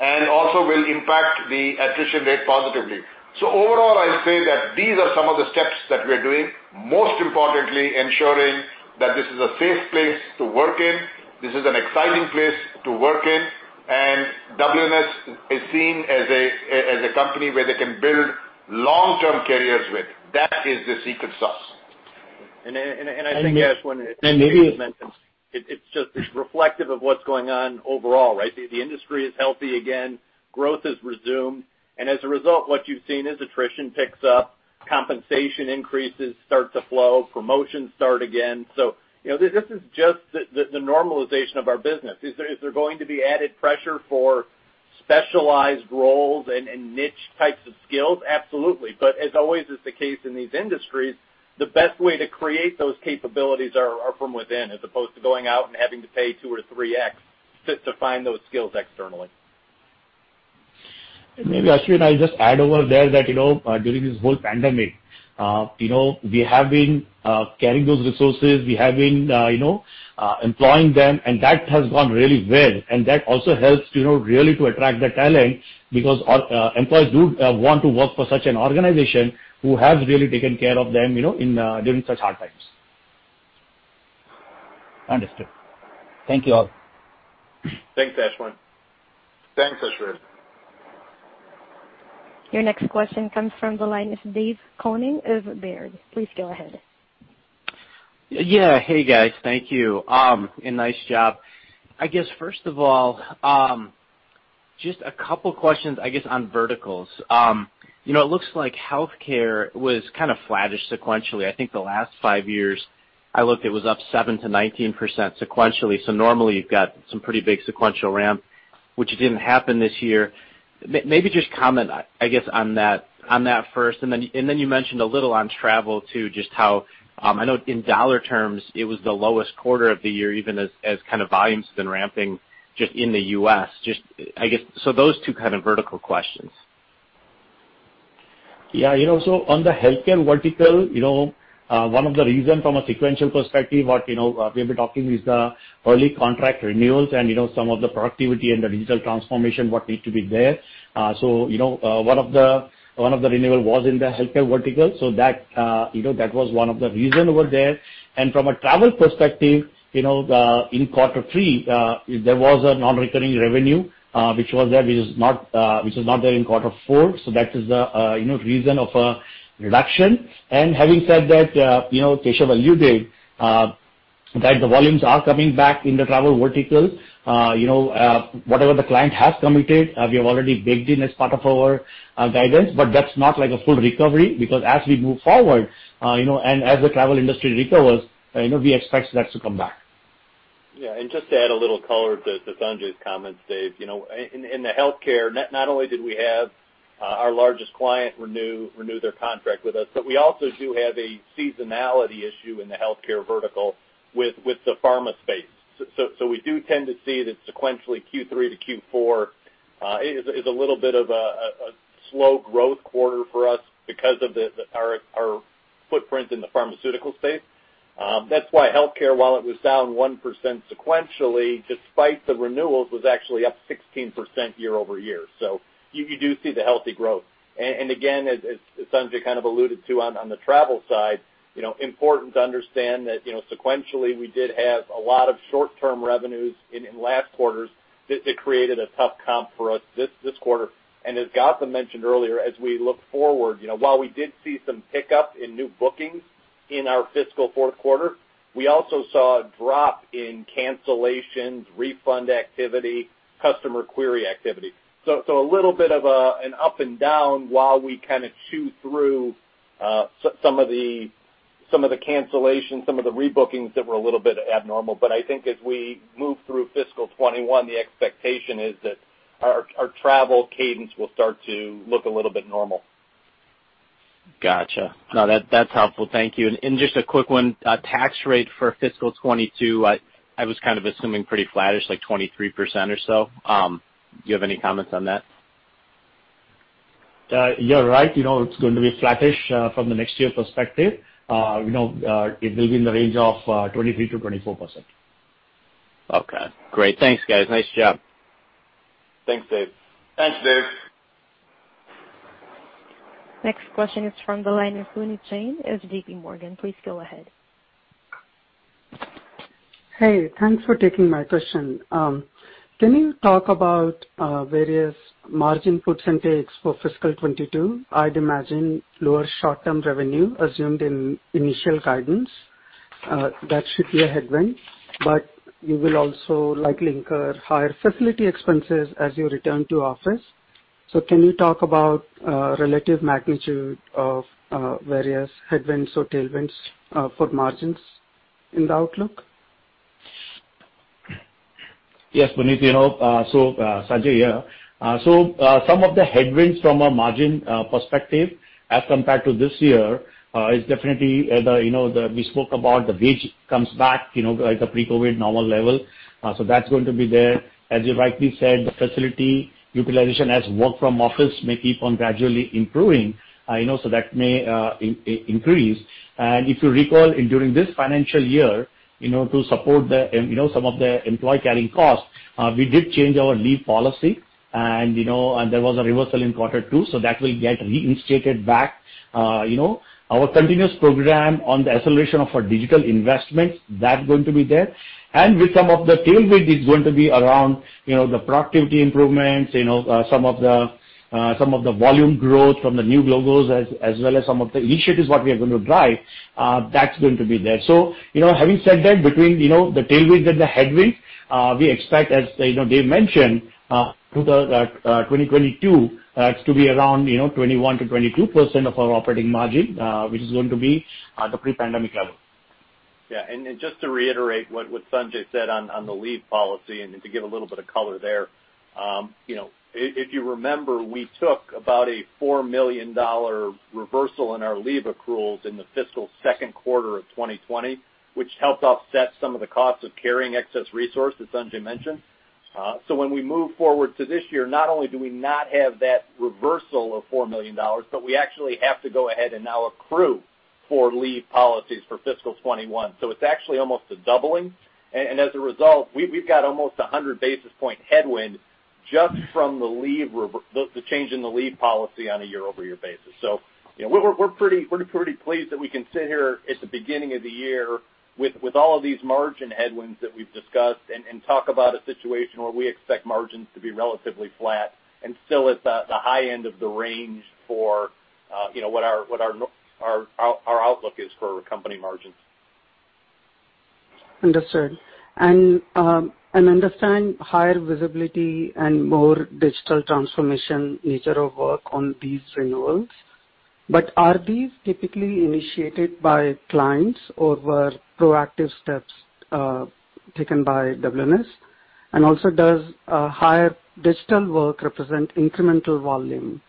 and also will impact the attrition rate positively. Overall, I'll say that these are some of the steps that we're doing. Most importantly, ensuring that this is a safe place to work in, this is an exciting place to work in, and WNS is seen as a company where they can build long-term careers with. That is the secret sauce. I think, Ashwin. And maybe- As Dave mentioned, it's reflective of what's going on overall, right? The industry is healthy again. Growth has resumed. As a result, what you've seen is attrition picks up, compensation increases start to flow, promotions start again. This is just the normalization of our business. Is there going to be added pressure for specialized roles and niche types of skills? Absolutely. As always is the case in these industries, the best way to create those capabilities are from within, as opposed to going out and having to pay two or three X just to find those skills externally. Maybe, Ashwin, I'll just add over there that, during this whole pandemic, we have been carrying those resources. We have been employing them, and that has gone really well, and that also helps really to attract the talent because employees do want to work for such an organization who has really taken care of them during such hard times. Understood. Thank you all. Thanks, Ashwin. Thanks, Ashwin. Your next question comes from the line of Dave Koning of Baird. Please go ahead. Yeah. Hey, guys. Thank you, and nice job. I guess, first of all, just a couple questions, I guess, on verticals. It looks like healthcare was kind of flattish sequentially. I think the last five years I looked, it was up 7%-19% sequentially. Normally you've got some pretty big sequential ramp, which didn't happen this year. Maybe just comment, I guess, on that first, and then you mentioned a little on travel, too, just how, I know in dollar terms it was the lowest quarter of the year, even as kind of volumes have been ramping just in the U.S. Those two kinds of vertical questions? On the healthcare vertical, one of the reasons from a sequential perspective, what we've been talking is the early contract renewals and some of the productivity and the digital transformation, what needs to be there. One of the renewals was in the healthcare vertical. That was one of the reasons over there. From a travel perspective, in quarter three, there was a non-recurring revenue, which was there, which is not there in quarter four. That is the reason of a reduction. Having said that, Keshav alluded that the volumes are coming back in the travel vertical. Whatever the client has committed, we have already baked in as part of our guidance. But that's not like a full recovery, because as we move forward, and as the travel industry recovers, we expect that to come back. Yeah. Just to add a little color to Sanjay's comments, Dave. In the healthcare, not only did we have our largest client renew their contract with us, but we also do have a seasonality issue in the healthcare vertical with the pharma space. We do tend to see that sequentially Q3-Q4 is a little bit of a slow growth quarter for us because of our footprint in the pharmaceutical space. That's why healthcare, while it was down 1% sequentially, despite the renewals, was actually up 16% year-over-year. You do see the healthy growth. Again, as Sanjay kind of alluded to on the travel side, important to understand that sequentially, we did have a lot of short-term revenues in last quarters that created a tough comp for us this quarter. As Gautam mentioned earlier, as we look forward, while we did see some pickup in new bookings in our fiscal fourth quarter, we also saw a drop in cancellations, refund activity, customer query activity. A little bit of an up and down while we kind of chew through some of the cancellations, some of the rebookings that were a little bit abnormal. I think as we move through fiscal 2021, the expectation is that our travel cadence will start to look a little bit normal. Got you. No, that's helpful. Thank you. Just a quick one. Tax rate for fiscal 2022, I was kind of assuming pretty flattish, like 23% or so. Do you have any comments on that? You're right. It's going to be flattish from the next year perspective. It will be in the range of 23%-24%. Okay, great. Thanks, guys. Nice job. Thanks, Dave. Thanks, Dave. Next question is from the line of Puneet Jain of JPMorgan. Please go ahead. Hey, thanks for taking my question. Can you talk about various margin percentage for fiscal 2022? I'd imagine lower short-term revenue assumed in initial guidance. That should be a headwind, but you will also likely incur higher facility expenses as you return to office. Can you talk about relative magnitude of various headwinds or tailwinds for margins in the outlook? Yes, Puneet. So Sanjay here. Some of the headwinds from a margin perspective as compared to this year is definitely, we spoke about the wage comes back, like the pre-COVID normal level. As you rightly said, facility utilization as work from office may keep on gradually improving, so that may increase. If you recall during this financial year, to support some of the employee carrying costs, we did change our leave policy, and there was a reversal in quarter two, so that will get reinstated back. Our continuous program on the acceleration of our digital investments, that's going to be there. With some of the tailwind, it's going to be around the productivity improvements, some of the volume growth from the new logos, as well as some of the initiatives what we are going to drive. That's going to be there. Having said that, between the tailwind and the headwind, we expect, as Dave mentioned, through the 2022 to be around 21%-22% of our operating margin, which is going to be the pre-pandemic level. Yeah. Just to reiterate what Sanjay said on the leave policy and to give a little bit of color there. If you remember, we took about a $4 million reversal in our leave accruals in the fiscal second quarter of 2020, which helped offset some of the cost of carrying excess resource, as Sanjay mentioned. When we move forward to this year, not only do we not have that reversal of $4 million, but we actually have to go ahead and now accrue for leave policies for fiscal 2021. It's actually almost a doubling. As a result, we've got almost 100 basis point headwind just from the change in the leave policy on a year-over-year basis. We're pretty pleased that we can sit here at the beginning of the year with all of these margin headwinds that we've discussed and talk about a situation where we expect margins to be relatively flat and still at the high end of the range for what our outlook is for company margins. Understood. I understand higher visibility and more digital transformation nature of work on these renewals. Are these typically initiated by clients or were proactive steps taken by WNS? Does higher digital work represent incremental volume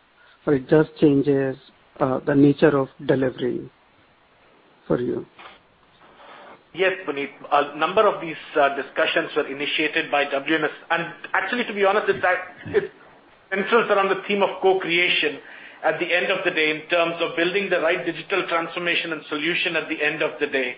or it just changes the nature of delivery for you? Yes, Puneet. A number of these discussions were initiated by WNS. Actually, to be honest, it centers around the theme of co-creation at the end of the day, in terms of building the right digital transformation and solution at the end of the day.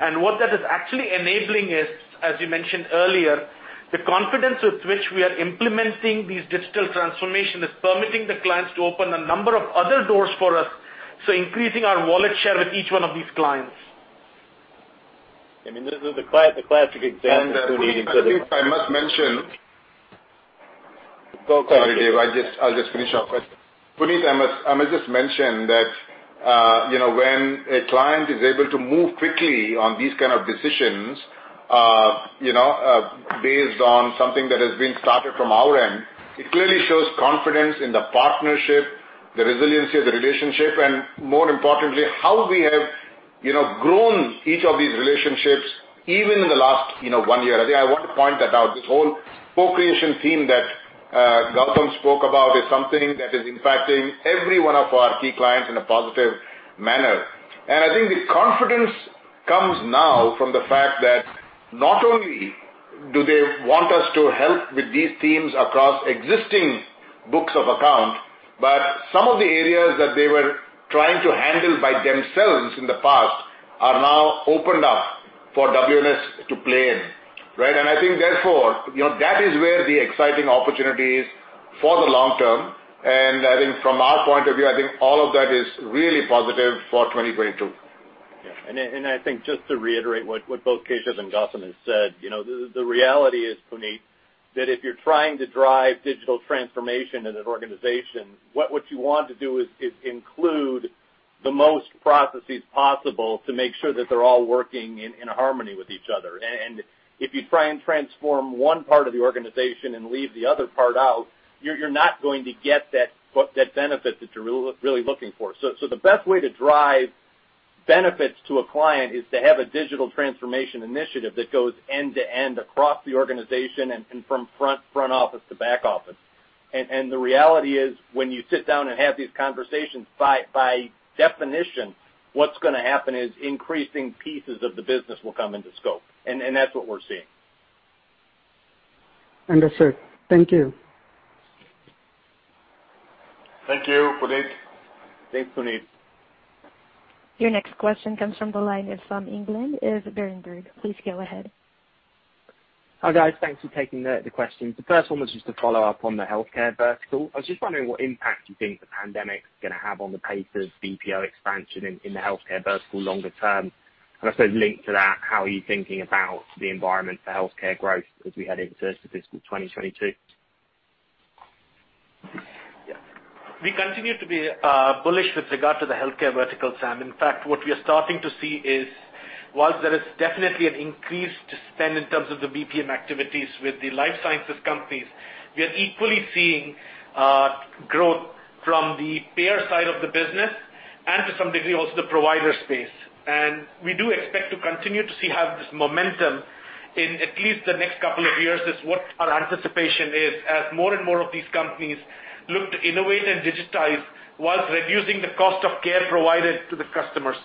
What that is actually enabling is, as you mentioned earlier, the confidence with which we are implementing this digital transformation is permitting the clients to open a number of other doors for us, so increasing our wallet share with each one of these clients. I mean, this is the classic example, Puneet. I think I must mention. Go ahead. Sorry, Dave. I'll just finish up. Puneet, I must just mention that when a client is able to move quickly on these kind of decisions, based on something that has been started from our end, it clearly shows confidence in the partnership, the resiliency of the relationship, and more importantly, how we have grown each of these relationships, even in the last one year. I think I want to point that out. This whole co-creation theme that Gautam spoke about is something that is impacting every one of our key clients in a positive manner. I think the confidence comes now from the fact that not only do they want us to help with these themes across existing books of account, but some of the areas that they were trying to handle by themselves in the past are now opened up for WNS to play in. Right? I think therefore, that is where the exciting opportunity is for the long term. I think from our point of view, I think all of that is really positive for 2022. Yeah. I think just to reiterate what both Keshav and Gautam have said, the reality is, Puneet, that if you're trying to drive digital transformation in an organization, what you want to do is include the most processes possible to make sure that they're all working in harmony with each other. If you try and transform one part of the organization and leave the other part out, you're not going to get that benefit that you're really looking for. The best way to drive benefits to a client is to have a digital transformation initiative that goes end to end across the organization and from front office to back office. The reality is, when you sit down and have these conversations, by definition, what's going to happen is increasing pieces of the business will come into scope. That's what we're seeing. Understood. Thank you. Thank you, Puneet. Thanks, Puneet. Your next question comes from the line of Sam England of Berenberg. Please go ahead. Hi, guys. Thanks for taking the questions. The first one was just a follow-up on the healthcare vertical. I was just wondering what impact you think the pandemic's gonna have on the pace of BPO expansion in the healthcare vertical longer term. I suppose linked to that, how are you thinking about the environment for healthcare growth as we head into fiscal 2022? Yeah. We continue to be bullish with regard to the healthcare vertical, Sam. In fact, what we are starting to see is whilst there is definitely an increase to spend in terms of the BPM activities with the life sciences companies, we are equally seeing growth from the payer side of the business and to some degree, also the provider space. We do expect to continue to see have this momentum in at least the next couple of years, is what our anticipation is, as more and more of these companies look to innovate and digitize whilst reducing the cost of care provided to the customers.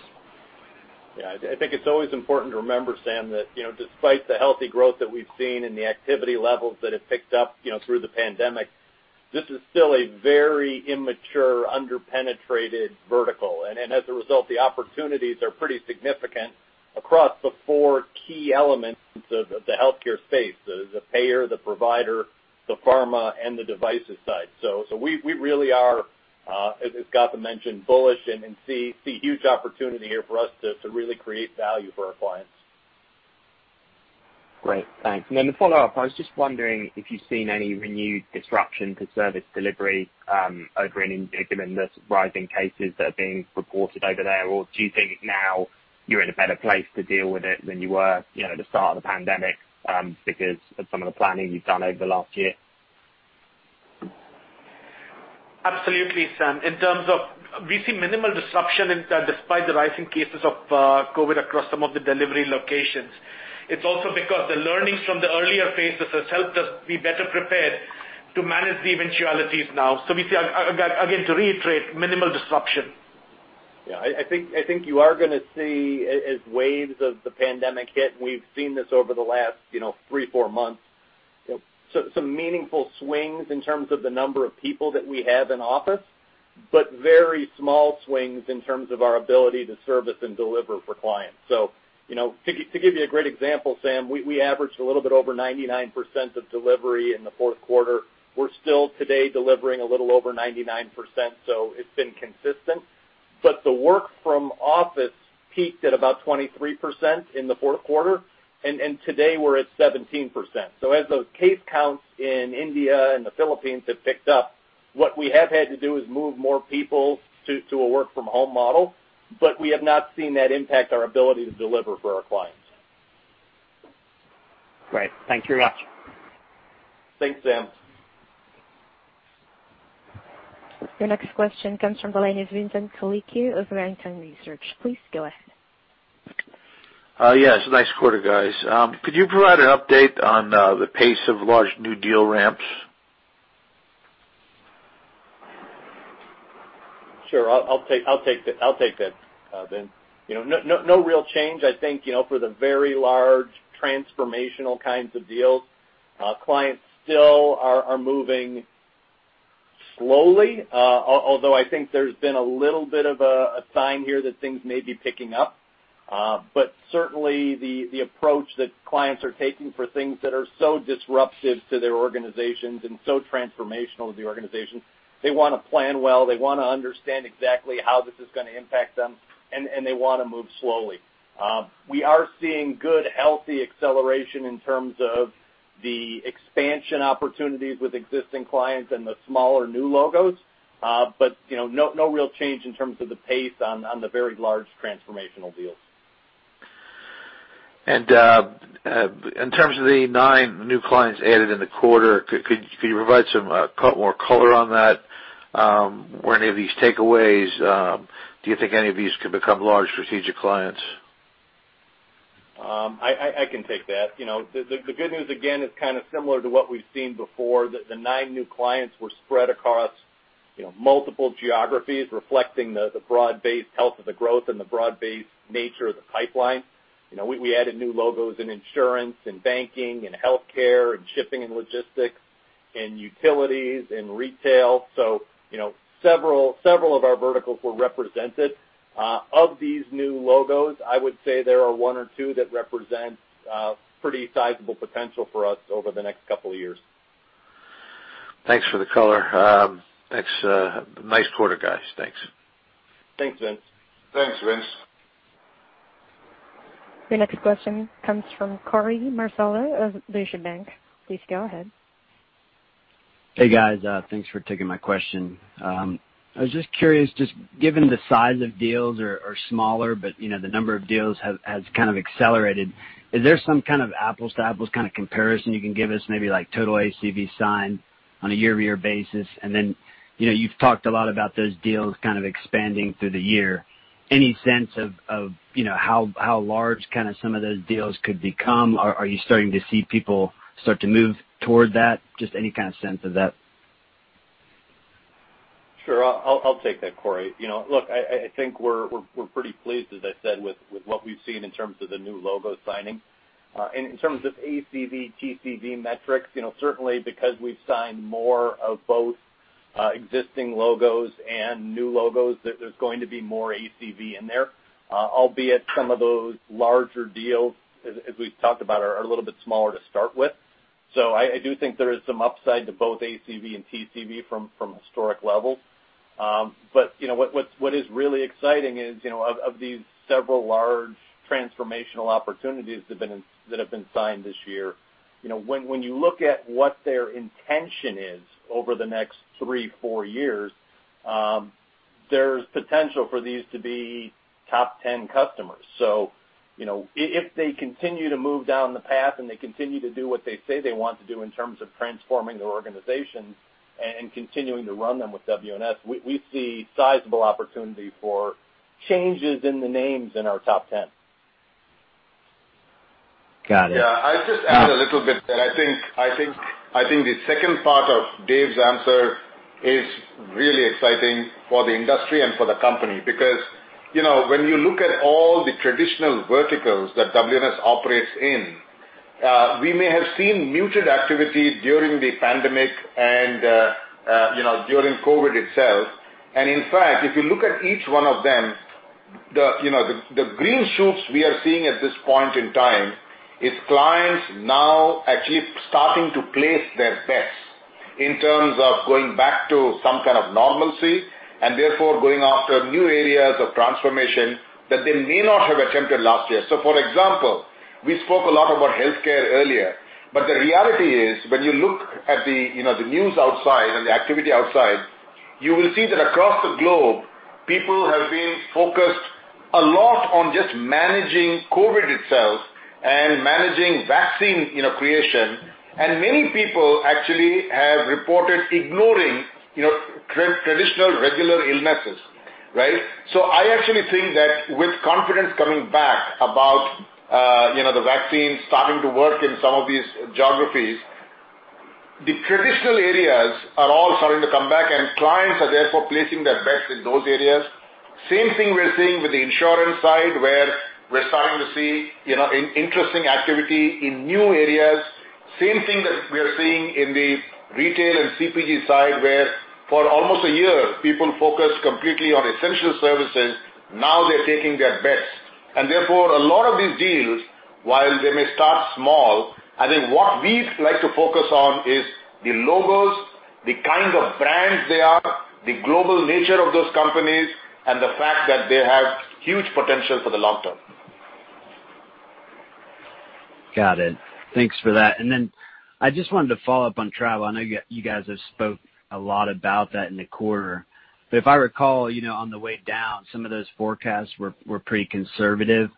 Yeah, I think it's always important to remember, Sam, that despite the healthy growth that we've seen and the activity levels that have picked up through the pandemic, this is still a very immature, under-penetrated vertical. As a result, the opportunities are pretty significant across the four key elements of the healthcare space, the payer, the provider, the pharma, and the devices side. We really are, as Gautam mentioned, bullish and see huge opportunity here for us to really create value for our clients. Great. Thanks. To follow up, I was just wondering if you've seen any renewed disruption to service delivery over in India, given the rising cases that are being reported over there, or do you think now you're in a better place to deal with it than you were at the start of the pandemic because of some of the planning you've done over the last year? Absolutely, Sam. We see minimal disruption despite the rising cases of COVID across some of the delivery locations. It's also because the learnings from the earlier phases has helped us be better prepared to manage the eventualities now. We see, again, to reiterate, minimal disruption. Yeah, I think you are gonna see, as waves of the pandemic hit, and we've seen this over the last three, four months, some meaningful swings in terms of the number of people that we have in office, but very small swings in terms of our ability to service and deliver for clients. To give you a great example, Sam, we averaged a little bit over 99% of delivery in the fourth quarter. We're still today delivering a little over 99%, so it's been consistent. But the work from office peaked at about 23% in the fourth quarter, and today we're at 17%. As those case counts in India and the Philippines have picked up, what we have had to do is move more people to a work from home model, but we have not seen that impact our ability to deliver for our clients. Great. Thank you very much. Thanks, Sam. Your next question comes from the line of Vincent Colicchio of Barrington Research. Please go ahead. Yes. Nice quarter, guys. Could you provide an update on the pace of large new deal ramps? Sure. I'll take that, Vin. No real change. I think, for the very large transformational kinds of deals, clients still are moving slowly. I think there's been a little bit of a sign here that things may be picking up. Certainly, the approach that clients are taking for things that are so disruptive to their organizations and so transformational to the organizations, they want to plan well, they want to understand exactly how this is going to impact them, and they want to move slowly. We are seeing good, healthy acceleration in terms of the expansion opportunities with existing clients and the smaller new logos. No real change in terms of the pace on the very large transformational deals. In terms of the nine new clients added in the quarter, could you provide some more color on that? Were any of these takeaways? Do you think any of these could become large strategic clients? I can take that. The good news again is kind of similar to what we've seen before, that the nine new clients were spread across multiple geographies reflecting the broad-based health of the growth and the broad-based nature of the pipeline. We added new logos in insurance, in banking, in healthcare, in shipping and logistics, in utilities, in retail. Several of our verticals were represented. Of these new logos, I would say there are one or two that represent pretty sizable potential for us over the next couple of years. Thanks for the color. Nice quarter, guys. Thanks. Thanks, Vince. Thanks, Vince. Your next question comes from Korey Marcello of Deutsche Bank. Please go ahead. Hey, guys. Thanks for taking my question. I was just curious, just given the size of deals are smaller, but the number of deals has kind of accelerated. Is there some kind of apples-to-apples kind of comparison you can give us maybe like total ACV sign on a year-over-year basis? You've talked a lot about those deals kind of expanding through the year. Any sense of how large kind of some of those deals could become? Are you starting to see people start to move toward that? Just any kind of sense of that. Sure. I'll take that, Korey. Look, I think we're pretty pleased, as I said, with what we've seen in terms of the new logo signing. In terms of ACV, TCV metrics, certainly because we've signed more of both existing logos and new logos, there's going to be more ACV in there. Albeit some of those larger deals, as we've talked about, are a little bit smaller to start with. I do think there is some upside to both ACV and TCV from historic levels. What is really exciting is, of these several large transformational opportunities that have been signed this year, when you look at what their intention is over the next three, four years, there's potential for these to be top 10 customers. If they continue to move down the path and they continue to do what they say they want to do in terms of transforming their organizations and continuing to run them with WNS, we see sizable opportunity for changes in the names in our top 10. Got it. Yeah. I'll just add a little bit that I think the second part of Dave's answer is really exciting for the industry and for the company. When you look at all the traditional verticals that WNS operates in, we may have seen muted activity during the pandemic and during COVID itself. In fact, if you look at each one of them, the green shoots we are seeing at this point in time is clients now actually starting to place their bets in terms of going back to some kind of normalcy, and therefore going after new areas of transformation that they may not have attempted last year. For example, we spoke a lot about healthcare earlier, but the reality is when you look at the news outside and the activity outside, you will see that across the globe, people have been focused a lot on just managing COVID itself and managing vaccine creation. Many people actually have reported ignoring traditional regular illnesses, right? I actually think that with confidence coming back about the vaccine starting to work in some of these geographies, the traditional areas are all starting to come back, and clients are therefore placing their bets in those areas. Same thing we're seeing with the insurance side, where we're starting to see interesting activity in new areas. Same thing that we are seeing in the retail and CPG side, where for almost a year, people focused completely on essential services. Now they're taking their bets. Therefore, a lot of these deals, while they may start small, I think what we like to focus on is the logos, the kind of brands they are, the global nature of those companies, and the fact that they have huge potential for the long term. Got it. Thanks for that. I just wanted to follow up on travel. I know you guys have spoke a lot about that in the quarter. If I recall, on the way down, some of those forecasts were pretty conservative.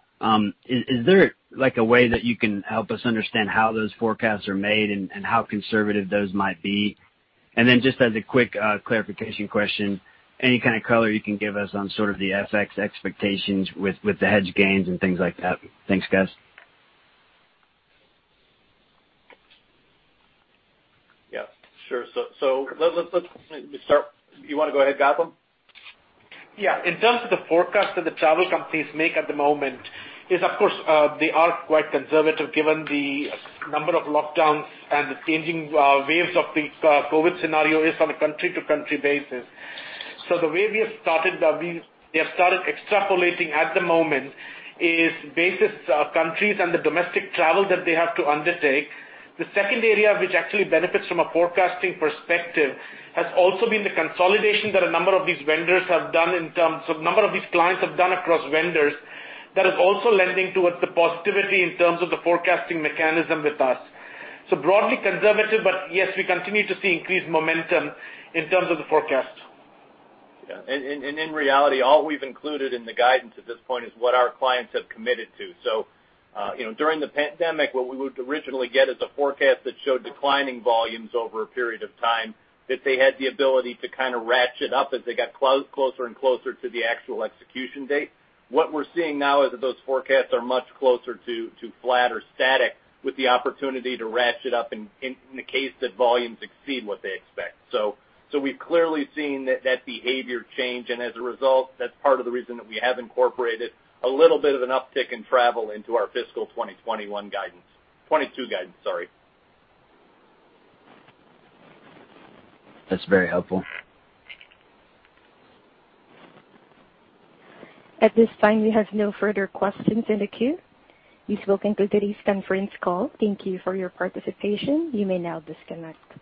Is there a way that you can help us understand how those forecasts are made and how conservative those might be? Just as a quick clarification question, any kind of color you can give us on sort of the FX expectations with the hedge gains and things like that? Thanks, guys. Yeah, sure. Let's start. You want to go ahead, Gautam? Yeah. In terms of the forecast that the travel companies make at the moment is, of course, they are quite conservative given the number of lockdowns and the changing waves of the COVID scenario is on a country-to-country basis. The way we have started extrapolating at the moment is basis countries and the domestic travel that they have to undertake. The second area which actually benefits from a forecasting perspective has also been the consolidation that a number of these clients have done across vendors that is also lending towards the positivity in terms of the forecasting mechanism with us. Broadly conservative, but yes, we continue to see increased momentum in terms of the forecast. Yeah. In reality, all we've included in the guidance to this point is what our clients have committed to. During the pandemic, what we would originally get is a forecast that showed declining volumes over a period of time, that they had the ability to kind of ratchet up as they got closer and closer to the actual execution date. What we're seeing now is that those forecasts are much closer to flat or static with the opportunity to ratchet up in the case that volumes exceed what they expect. We've clearly seen that behavior change, and as a result, that's part of the reason that we have incorporated a little bit of an uptick in travel into our fiscal 2021 guidance. 2022 guidance, sorry. That's very helpful. At this time, we have no further questions in the queue. You've spoken to today's conference call. Thank you for your participation. You may now disconnect.